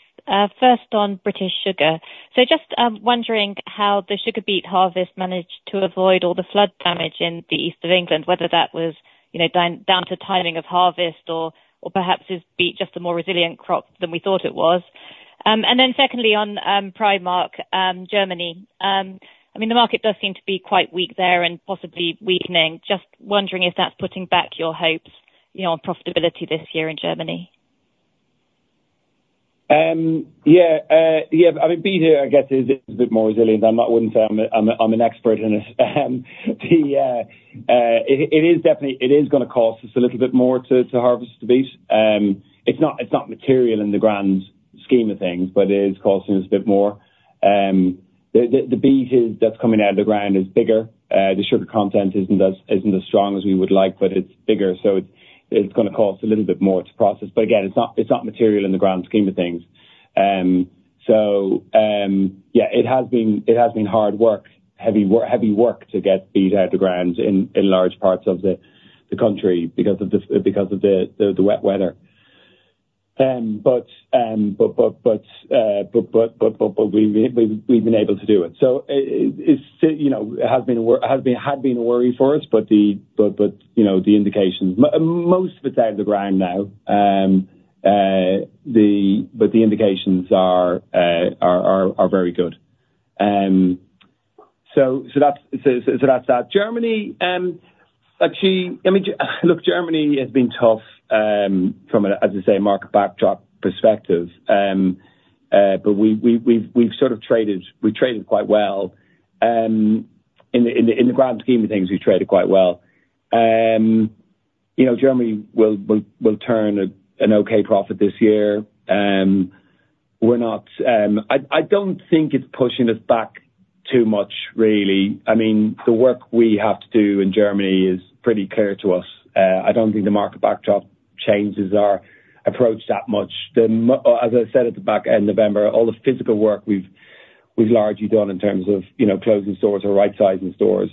First on British Sugar. So just, wondering how the sugar beet harvest managed to avoid all the flood damage in the east of England, whether that was, you know, down, down to timing of harvest, or, or perhaps is beet just a more resilient crop than we thought it was? And then secondly, on, Primark, Germany. I mean, the market does seem to be quite weak there and possibly weakening. Just wondering if that's putting back your hopes, you know, on profitability this year in Germany. Yeah. Yeah, I mean, beet, I guess, is a bit more resilient. I'm not, wouldn't say I'm an expert in it. It is definitely gonna cost us a little bit more to harvest the beet. It's not material in the grand scheme of things, but it is costing us a bit more. The beet that's coming out of the ground is bigger. The sugar content isn't as strong as we would like, but it's bigger, so it's gonna cost a little bit more to process. But again, it's not material in the grand scheme of things. So, yeah, it has been hard work, heavy work to get beet out of the ground in large parts of the country because of the wet weather. But we've been able to do it. So it's, you know, it has been a worry for us, but you know, the indications. Most of it's out of the ground now. But the indications are very good. So that's that. Germany, actually, let me. Look, Germany has been tough, from a, as I say, market backdrop perspective. But we've sort of traded quite well. In the grand scheme of things, we've traded quite well. You know, Germany will turn an okay profit this year. We're not. I don't think it's pushing us back too much, really. I mean, the work we have to do in Germany is pretty clear to us. I don't think the market backdrop changes our approach that much. As I said at the back end November, all the physical work we've largely done in terms of, you know, closing stores or rightsizing stores.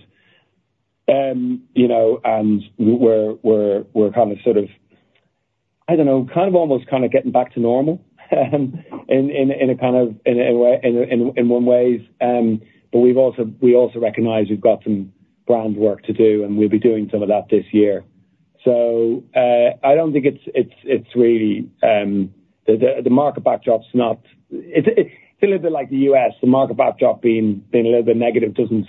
You know, and we're kind of sort of, I don't know, kind of almost kind of getting back to normal, in a kind of way, in one ways. But we've also recognize we've got some brand work to do, and we'll be doing some of that this year. So, I don't think it's really the market backdrop's not. It's a little bit like the US. The market backdrop being a little bit negative doesn't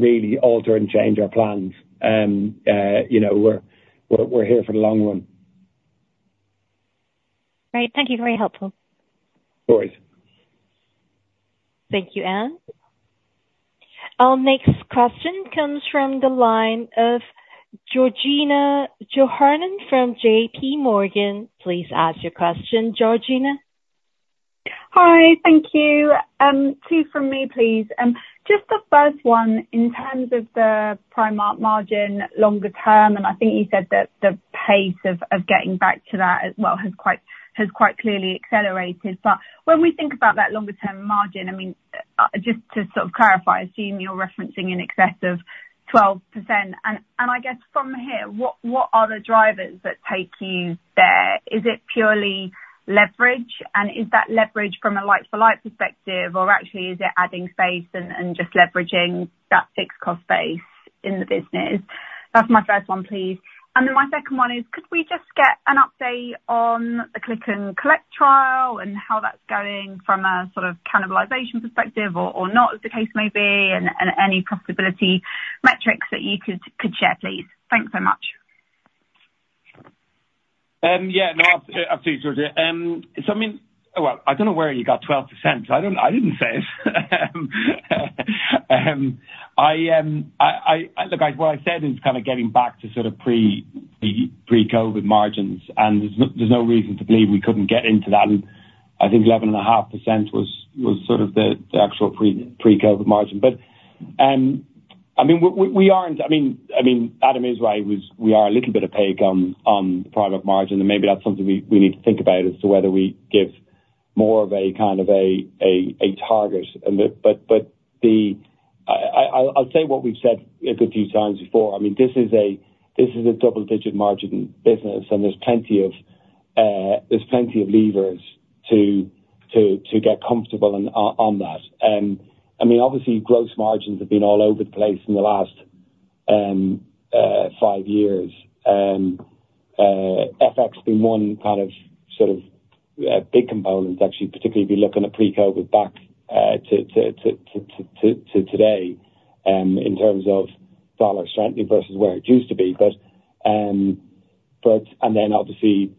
really alter and change our plans. You know, we're here for the long run. Great. Thank you. Very helpful. No worries. Thank you, Anne. Our next question comes from the line of Georgina Johanan from J.P. Morgan. Please ask your question, Georgina. Hi, thank you. 2 from me, please. Just the first one, in terms of the Primark margin longer term, and I think you said that the pace of getting back to that as well has quite clearly accelerated. But when we think about that longer term margin, I mean, just to sort of clarify, assuming you're referencing in excess of 12%. And I guess from here, what are the drivers that take you there? Is it purely leverage, and is that leverage from a like-for-like perspective, or actually is it adding space and just leveraging that fixed cost base in the business? That's my first one, please. Then my second one is, could we just get an update on the Click-and-collect trial and how that's going from a sort of cannibalization perspective or, or not, as the case may be, and, and any profitability metrics that you could, could share, please? Thanks so much. Yeah, no, absolutely, Georgina. So I mean. Well, I don't know where you got 12%. I don't, I didn't say it. Look, what I said is kind of getting back to sort of pre-COVID margins, and there's no, there's no reason to believe we couldn't get into that. And I think 11.5% was sort of the actual pre-COVID margin. But, I mean, we aren't, I mean, I mean, Adam is right, we are a little bit opaque on product margin, and maybe that's something we need to think about as to whether we give more of a kind of a target. And but, but, the, I, I'll say what we've said a good few times before. I mean, this is a double-digit margin business, and there's plenty of levers to get comfortable on that. I mean, obviously, gross margins have been all over the place in the last five years. FX being one kind of, sort of, big component, actually, particularly if you look back on the pre-COVID to today, in terms of dollar strengthening versus where it used to be. But, and then obviously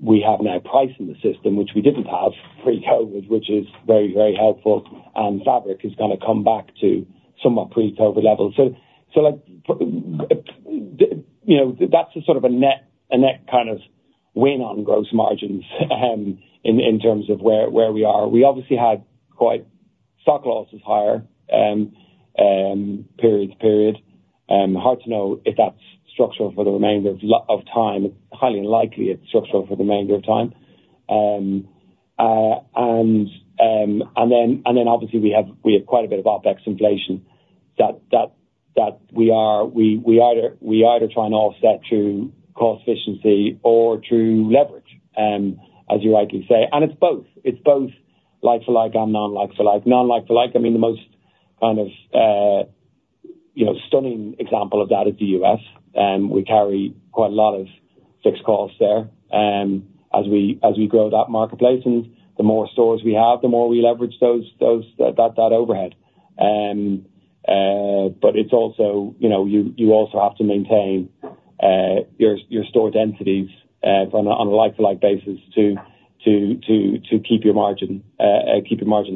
we have now price in the system, which we didn't have pre-COVID, which is very, very helpful, and fabric is gonna come back to somewhat pre-COVID levels. So, like, you know, that's a sort of a net, a net kind of win on gross margins, in terms of where we are. We obviously had quite. Stock loss is higher period to period. Hard to know if that's structural for the remainder of time. It's highly unlikely it's structural for the remainder of time. And then obviously we have quite a bit of OpEx inflation that we either try and offset through cost efficiency or through leverage, as you rightly say. And it's both like-for-like and non-like-for-like. Non-like-for-like, I mean, the most kind of, you know, stunning example of that is the U.S., we carry quite a lot of fixed costs there. As we grow that marketplace, and the more stores we have, the more we leverage those, that overhead. But it's also, you know, you also have to maintain your store densities on a like-for-like basis to keep your margin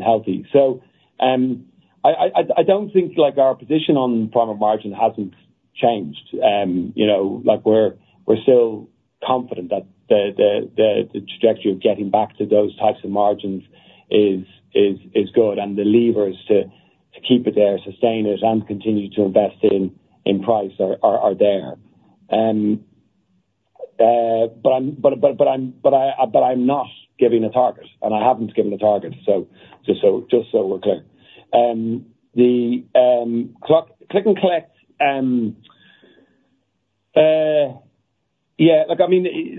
healthy. So, I don't think, like, our position on product margin hasn't changed. You know, like, we're still confident that the trajectory of getting back to those types of margins is good, and the levers to keep it there, sustain it, and continue to invest in price are there. But I'm not giving a target, and I haven't given a target, so just so we're clear. The click-and-collect. Yeah, look, I mean,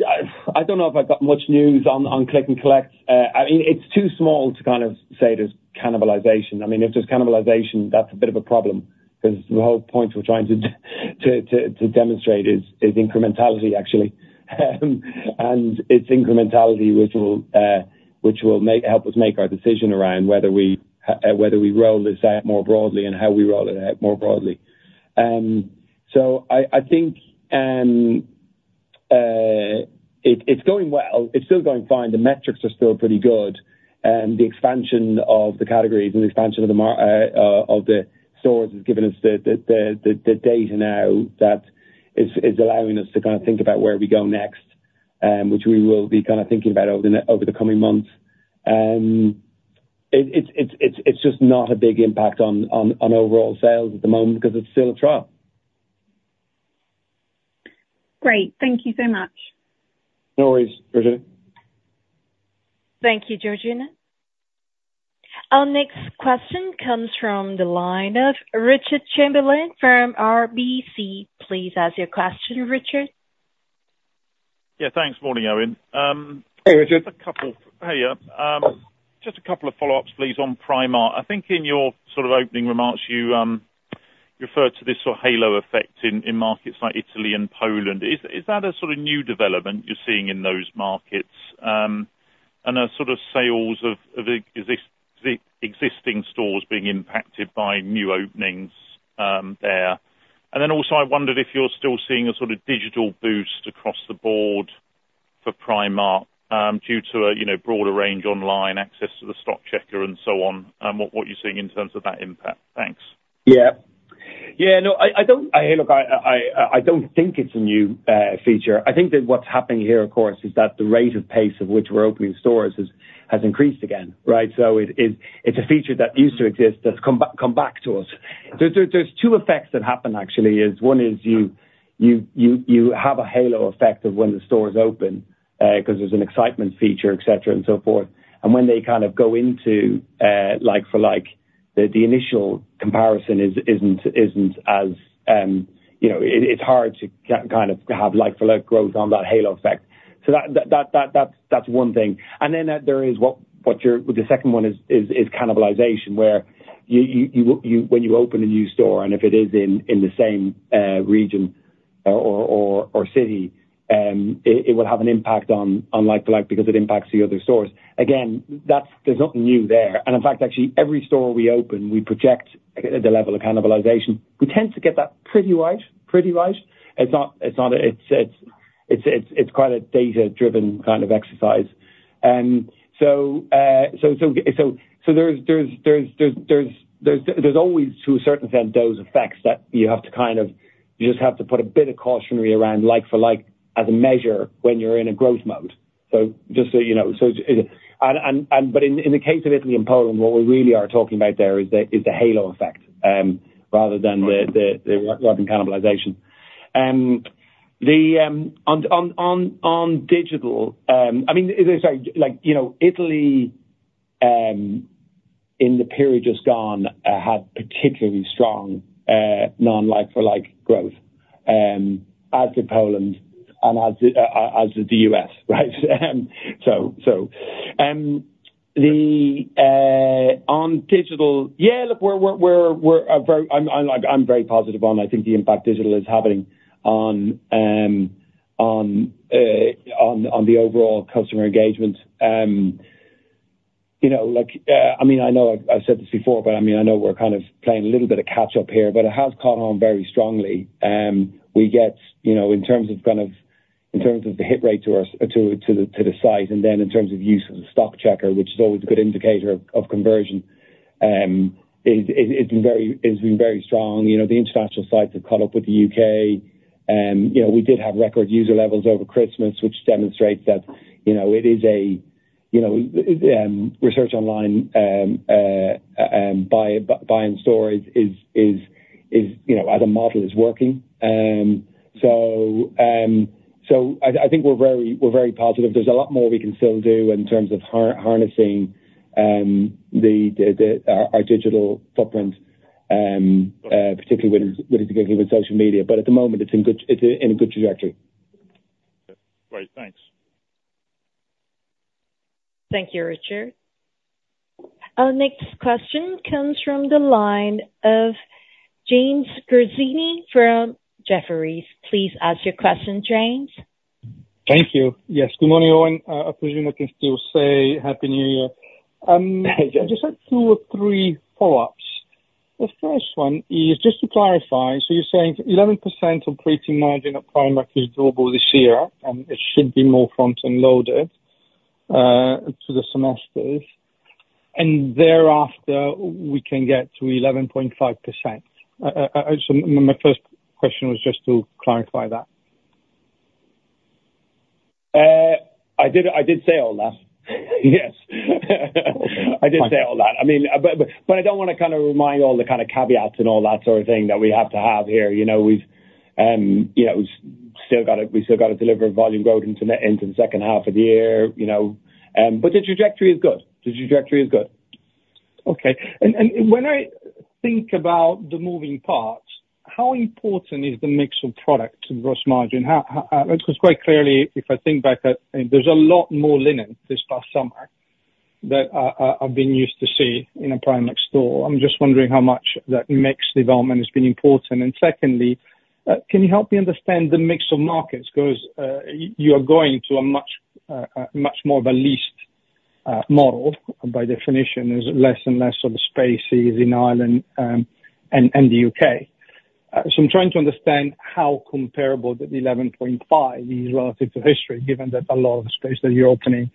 I don't know if I've got much news on click-and-collect. I mean, it's too small to kind of say there's cannibalization. I mean, if there's cannibalization, that's a bit of a problem, 'cause the whole point we're trying to demonstrate is incrementality, actually. And it's incrementality which will help us make our decision around whether we roll this out more broadly and how we roll it out more broadly. So I think it's going well. It's still going fine. The metrics are still pretty good, the expansion of the categories and the expansion of the stores has given us the data now that is allowing us to kind of think about where we go next, which we will be kind of thinking about over the coming months. It's just not a big impact on overall sales at the moment because it's still a trial. Great. Thank you so much. No worries, Georgina. Thank you, Georgina. Our next question comes from the line of Richard Chamberlain from RBC. Please ask your question, Richard. Yeah, thanks. Morning, Eoin. Hey, Richard. Heyya. Just a couple of follow-ups, please, on Primark. I think in your sort of opening remarks, you referred to this sort of halo effect in markets like Italy and Poland. Is that a sort of new development you're seeing in those markets? And are sort of sales of existing stores being impacted by new openings there? And then also, I wondered if you're still seeing a sort of digital boost across the board for Primark due to a, you know, broader range online, access to the stock checker, and so on, and what you're seeing in terms of that impact? Thanks. Yeah. Yeah, no. Hey, look, I don't think it's a new feature. I think that what's happening here, of course, is that the rate of pace at which we're opening stores has increased again, right? So it's a feature that used to exist that's come back to us. There's two effects that happen, actually. One is you have a halo effect when the stores open, 'cause there's an excitement feature, et cetera, and so forth. When they kind of go into like for like, the initial comparison isn't as, you know. It's hard to kind of have like for like growth on that halo effect. That's one thing. The second one is cannibalization, where you when you open a new store, and if it is in the same region or city, it will have an impact on like-for-like, because it impacts the other stores. Again, that's. There's nothing new there. And in fact, actually, every store we open, we project the level of cannibalization. We tend to get that pretty right, pretty right. It's not quite a data-driven kind of exercise. So, there's always to a certain extent, those effects that you have to kind of, you just have to put a bit of cautionary around like-for-like, as a measure, when you're in a growth mode. So just so you know. So, but in the case of Italy and Poland, what we really are talking about there is the halo effect, rather than the cannibalization. On digital, I mean, sorry, like, you know, Italy in the period just gone had particularly strong non-like-for-like growth, as did Poland and as did the U.S., right? So. On digital, yeah, look, we're very. I'm very positive on, I think the impact digital is having on the overall customer engagement. You know, like, I mean, I know I've said this before, but I mean, I know we're kind of playing a little bit of catch-up here, but it has caught on very strongly. We get, you know, in terms of kind of, in terms of the hit rate to our, to the site, and then in terms of use of the stock checker, which is always a good indicator of conversion, it's been very strong. You know, the international sites have caught up with the UK. You know, we did have record user levels over Christmas, which demonstrates that, you know, it is a, you know, research online, buy in stores is, you know, as a model, is working. So, I think we're very positive. There's a lot more we can still do in terms of harnessing our digital footprint, particularly with social media. But at the moment, it's in a good trajectory. Great. Thanks. Thank you, Richard. Our next question comes from the line of James Grzinic from Jefferies. Please ask your question, James. Thank you. Yes, good morning, all. I presume I can still say Happy New Year. I just had two or three follow-ups. The first one is just to clarify: So you're saying 11% operating margin at Primark is doable this year, and it should be more front-end loaded to the semesters, and thereafter, we can get to 11.5%? So my first question was just to clarify that. I did say all that. Yes. Okay. I did say all that. I mean, but I don't wanna kind of remind all the kind of caveats and all that sort of thing that we have to have here. You know, we've you know, we've still gotta deliver volume growth into the second half of the year, you know, but the trajectory is good. The trajectory is good. Okay. And when I think about the moving parts, how important is the mix of product to gross margin? How, 'Cause quite clearly, if I think back, that there's a lot more linen this past summer that I've been used to see in a Primark store. I'm just wondering how much that mix development has been important. And secondly, can you help me understand the mix of markets? 'Cause you are going to a much more of a leased model by definition, there's less and less of the spaces in Ireland, and the U.K. So I'm trying to understand how comparable the 11.5 is relative to history, given that a lot of the space that you're opening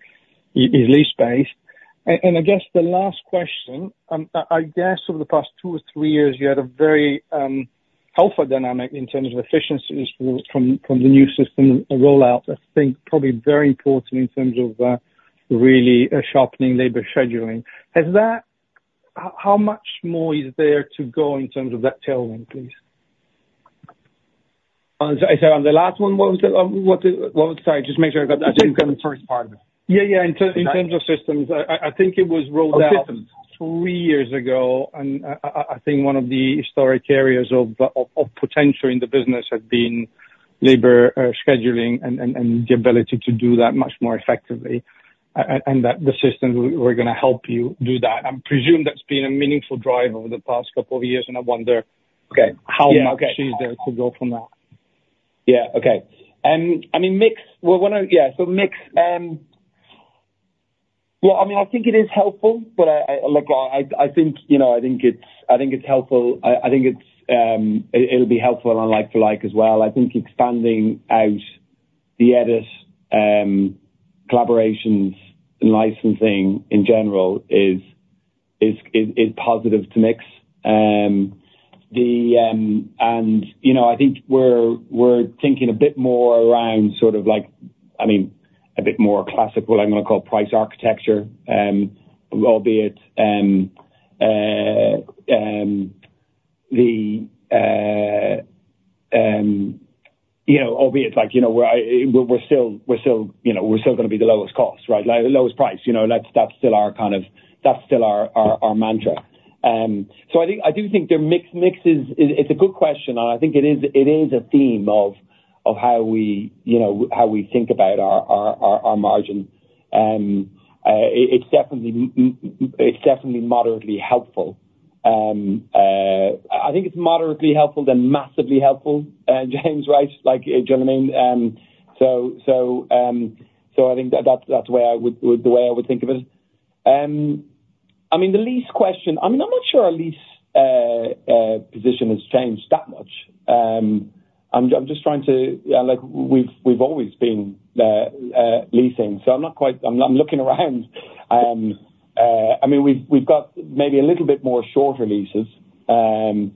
is leased space. I guess the last question, I guess over the past two or three years, you had a very helpful dynamic in terms of efficiencies from the new system rollout. I think probably very important in terms of really sharpening labor scheduling. Has that how much more is there to go in terms of that tailwind, please? Sorry, on the last one, what was the, sorry, just make sure I got the first part of it. Yeah, yeah. In terms of systems, I think it was rolled out Oh, systems. three years ago, and I think one of the historic areas of potential in the business had been labor scheduling and the ability to do that much more effectively, and that the systems were gonna help you do that. I presume that's been a meaningful drive over the past couple of years, and I wonder Okay. How much is there to go from that? Yeah. Okay. I mean, mix. Yeah, so mix. Well, I mean, I think it is helpful, but look, I think, you know, I think it's helpful. I think it's, it'll be helpful on like to like as well. I think expanding out the edit, collaborations and licensing in general is positive to mix. And, you know, I think we're thinking a bit more around sort of like, I mean, a bit more classic, what I'm gonna call price architecture. Albeit, you know, we're still gonna be the lowest cost, right? Like, the lowest price. You know, that's still our kind of, that's still our mantra. So I think, I do think their mix is, it's a good question, and I think it is a theme of how we, you know, how we think about our margins. It's definitely moderately helpful. I think it's moderately helpful, then massively helpful, James, right? Like, do you know what I mean? So I think that's the way I would think of it. I mean, the lease question. I mean, I'm not sure our lease position has changed that much. I'm just trying to. Yeah, like we've always been leasing, so I'm not quite, I'm looking around. I mean, we've got maybe a little bit more shorter leases. So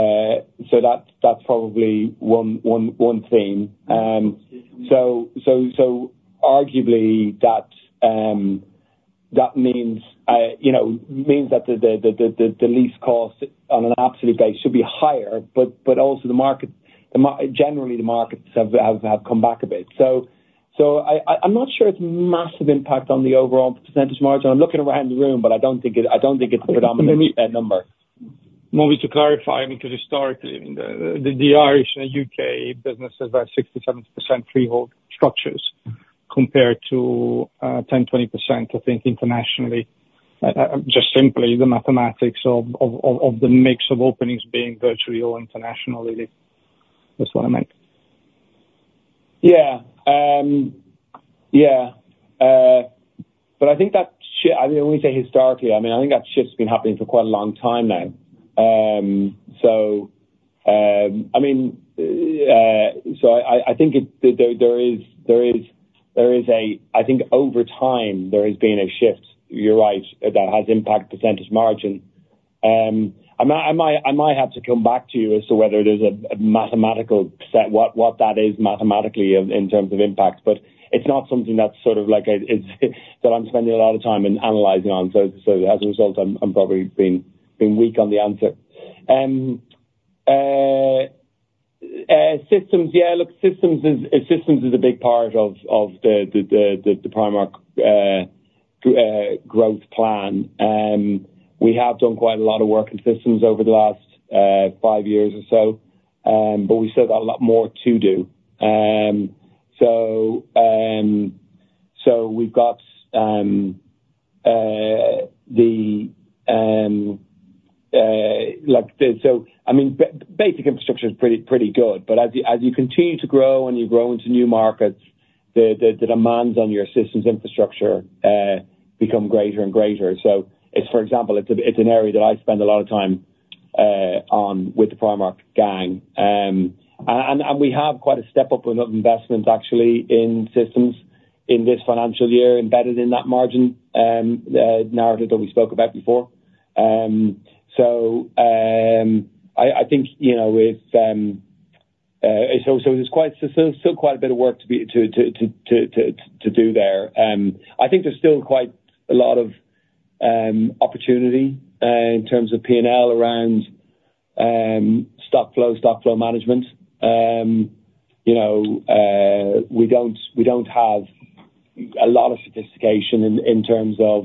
that's probably one theme. So arguably that means, you know, that the lease costs on an absolute basis should be higher, but also the market generally, the markets have come back a bit. I'm not sure it's massive impact on the overall percentage margin. I'm looking around the room, but I don't think it's the predominant number. Well, just to clarify, I mean, 'cause historically, I mean, the Irish and UK businesses are 60%-70% freehold structures compared to 10%-20%, I think, internationally. Just simply the mathematics of the mix of openings being virtually all internationally, that's what I meant. Yeah. But I think that shift—I mean, when we say historically, I mean, I think that shift's been happening for quite a long time now. So I think it. There is a shift, you're right, that has impacted percentage margin. I might have to come back to you as to whether it is a mathematical set, what that is mathematically in terms of impacts, but it's not something that's sort of like a, it's that I'm spending a lot of time in analyzing on. So as a result, I'm probably being weak on the answer. Systems. Yeah, look, systems is a big part of the Primark growth plan. We have done quite a lot of work in systems over the last five years or so, but we've still got a lot more to do. So we've got the like the, So I mean, basic infrastructure is pretty good, but as you continue to grow and you grow into new markets, the demands on your systems infrastructure become greater and greater. So it's, for example, it's an area that I spend a lot of time on with the Primark gang. And we have quite a step-up of investments actually in systems in this financial year, embedded in that margin narrative that we spoke about before. So I think, you know, it's still quite a bit of work to do there. I think there's still quite a lot of opportunity in terms of P&L around stock flow management. You know, we don't have a lot of sophistication in terms of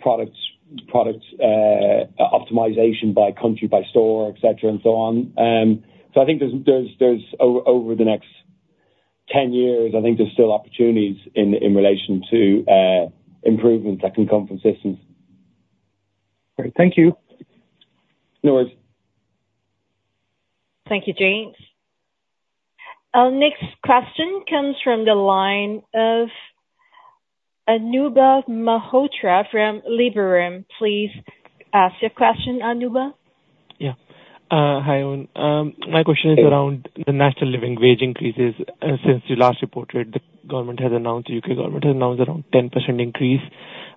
products optimization by country, by store, et cetera, and so on. So I think there's over the next 10 years, I think there's still opportunities in relation to improvements that can come from systems. Great. Thank you. No worries. Thank you, James. Our next question comes from the line of Anubhav Malhotra from Liberum. Please ask your question, Anubhav. Yeah. Hi, Eoin. My question is around the National Living Wage increases. Since you last reported, the government has announced, UK government has announced around 10% increase.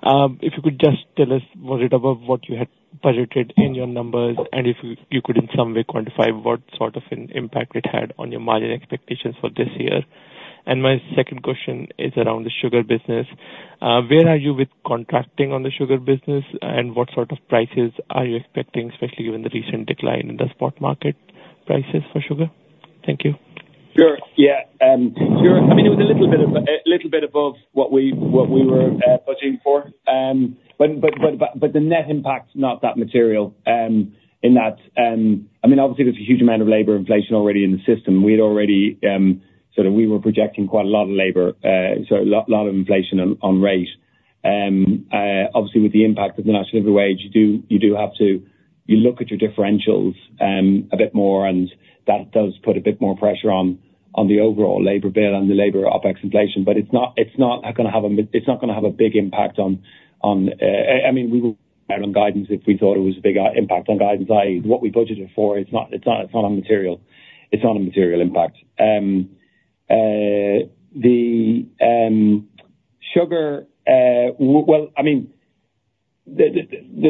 If you could just tell us, was it above what you had budgeted in your numbers? And if you could in some way quantify what sort of an impact it had on your margin expectations for this year. And my second question is around the sugar business. Where are you with contracting on the sugar business, and what sort of prices are you expecting, especially given the recent decline in the spot market prices for sugar? Thank you. Sure. Yeah, sure. I mean, it was a little bit above what we were budgeting for. But the net impact's not that material. In that, I mean, obviously there's a huge amount of labor inflation already in the system. We had already sort of we were projecting quite a lot of labor, so a lot of inflation on rate. Obviously with the impact of the National Living Wage, you have to look at your differentials a bit more, and that does put a bit more pressure on the overall labor bill and the labor OpEx inflation. But it's not gonna have a big impact on. I mean, we will on guidance, if we thought it was a big impact on guidance, i.e., what we budgeted for, it's not, it's not, it's not a material, it's not a material impact. Well, I mean, there's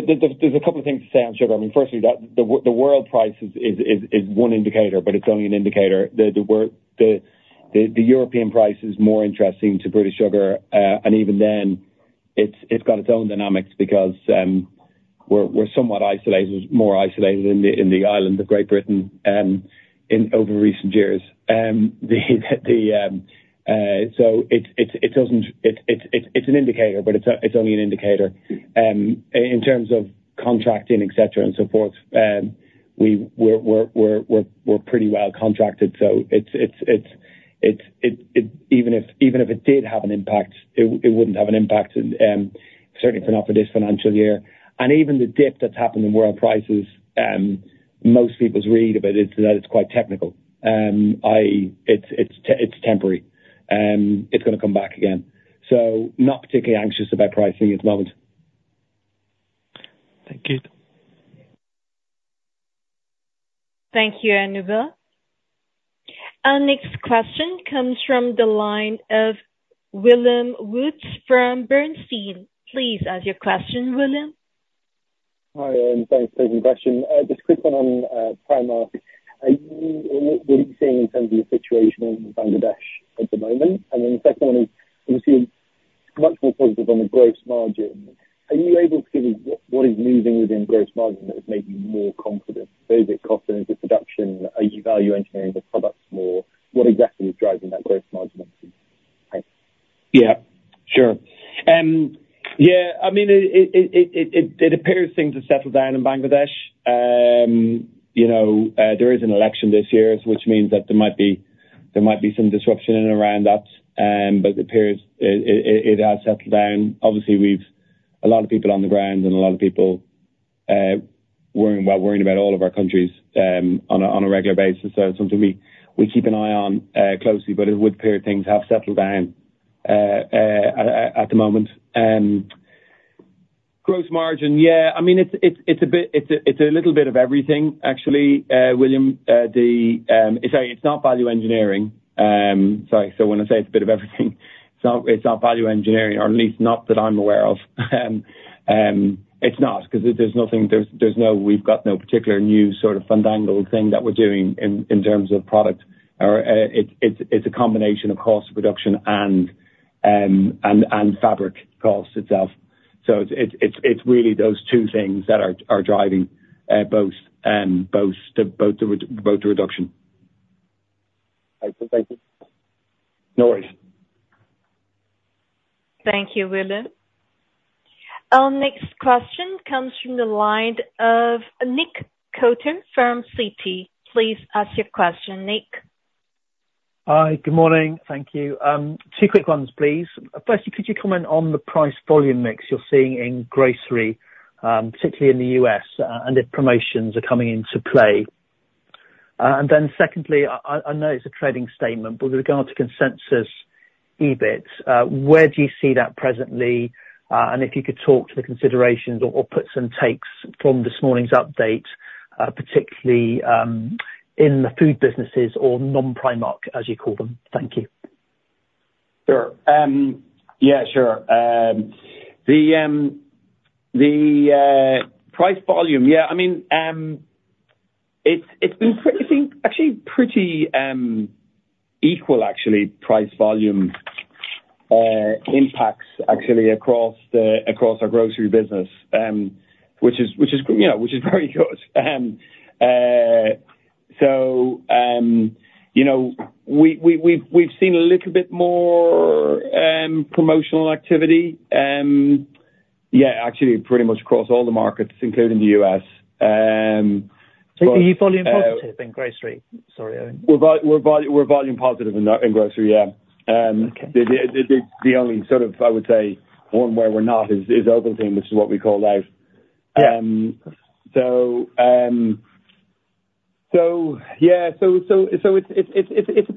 a couple of things to say on sugar. I mean, firstly, the world price is one indicator, but it's only an indicator. The world, the European price is more interesting to British Sugar, and even then, it's got its own dynamics because we're somewhat isolated, more isolated in the island of Great Britain, in over recent years. So it doesn't, It's an indicator, but it's only an indicator. In terms of contracting, et cetera, and so forth, we're pretty well contracted, so it's even if it did have an impact, it wouldn't have an impact, certainly not for this financial year. And even the dip that's happened in world prices, most people's read about it is that it's quite technical. i.e., it's temporary. It's gonna come back again. So not particularly anxious about pricing at the moment. Thank you. Thank you, Anubhav. Our next question comes from the line of William Woods from Bernstein. Please ask your question, William. Hi, and thanks for taking the question. Just quick one on, Primark. Are you, what are you seeing in terms of the situation in Bangladesh at the moment? And then the second one is, you seem much more positive on the gross margin. Are you able to give me what is moving within gross margin that has made you more confident? Is it cost, is it production? Are you value engineering the products more? What exactly is driving that gross margin increase? Thanks. Yeah, sure. Yeah, I mean, it appears things have settled down in Bangladesh. You know, there is an election this year, which means that there might be some disruption in and around that, but it appears it has settled down. Obviously, we've a lot of people on the ground and a lot of people worrying about all of our countries on a regular basis. So it's something we keep an eye on closely, but it would appear things have settled down at the moment. Gross margin, yeah. I mean, it's a bit, it's a little bit of everything, actually, William. It's not value engineering. Sorry, so when I say it's a bit of everything, it's not, it's not value engineering, or at least not that I'm aware of. It's not, 'cause there's nothing, there's no, we've got no particular new sort of fandangled thing that we're doing in terms of product. Or, it's a combination of cost reduction and fabric costs itself. So it's really those two things that are driving both the reduction. Thank you. Thank you. No worries. Thank you, William. Our next question comes from the line of Nick Coulter from Citi. Please ask your question, Nick. Hi, good morning. Thank you. Two quick ones, please. Firstly, could you comment on the price volume mix you're seeing in grocery, particularly in the U.S., and if promotions are coming into play? And then secondly, I know it's a trading statement, but with regard to consensus EBIT, where do you see that presently? And if you could talk to the considerations or puts and takes from this morning's update, particularly in the food businesses or non-Primark, as you call them. Thank you. Sure. Yeah, sure. The price volume. Yeah, I mean, it's been pretty, I think, actually pretty equal actually, price volume impacts actually across our grocery business. Which is, you know, which is very good. So, you know, we've seen a little bit more promotional activity, yeah, actually pretty much across all the markets, including the US, but- Are you volume positive in grocery? Sorry, Eoin. We're volume positive in grocery, yeah. Okay. The only sort of, I would say, one where we're not is own brand, which is what we call Life. Yeah. So yeah, it's a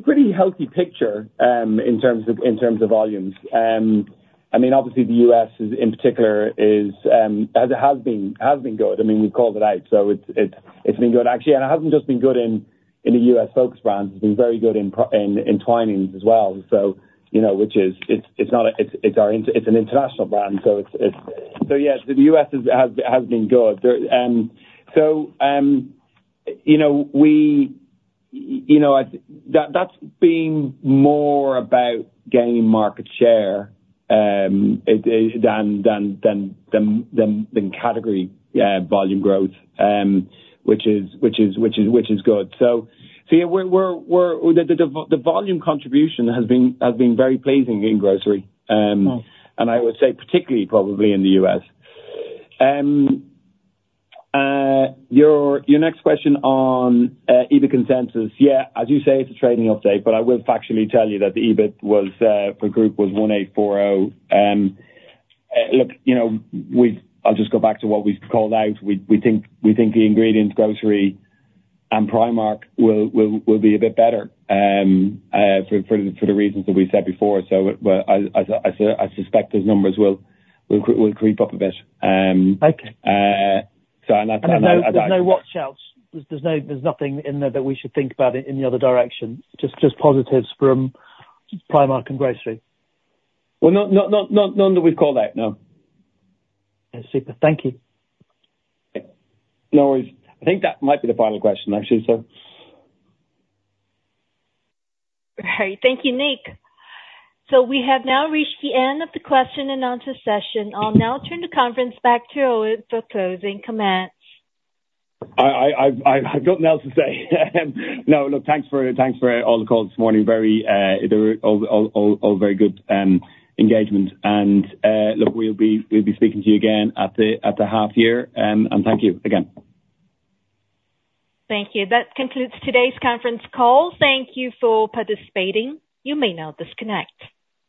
pretty healthy picture in terms of volumes. I mean, obviously the US is, in particular, as it has been, good. I mean, we called it out, so it's been good, actually, and it hasn't just been good in the US ABF brands, it's been very good in Twinings as well. So you know, which is, it's not a, it's our international brand, so it's. So yes, the US has been good. There, so, you know, we, you know, that's been more about gaining market share, it is, than category volume growth, which is good. So yeah, we're, the volume contribution has been very pleasing in grocery. Right. and I would say particularly probably in the U.S. Your next question on EBIT consensus. Yeah, as you say, it's a trading update, but I will factually tell you that the EBIT was for group was 1,840. Look, you know, we've. I'll just go back to what we've called out. We think the Ingredients, Grocery and Primark will be a bit better for the reasons that we said before. So but I suspect those numbers will creep up a bit. Okay. So and I There's no watch-outs? There's nothing in there that we should think about in the other direction, just positives from Primark and grocery? Well, none that we've called out, no. That's super. Thank you. No worries. I think that might be the final question, actually, so. Great. Thank you, Nick. We have now reached the end of the question and answer session. I'll now turn the conference back to Eoin for closing comments. I've got nothing else to say. No, look, thanks for all the calls this morning. They were all very good engagement. And, look, we'll be speaking to you again at the half year. And thank you again. Thank you. That concludes today's conference call. Thank you for participating. You may now disconnect.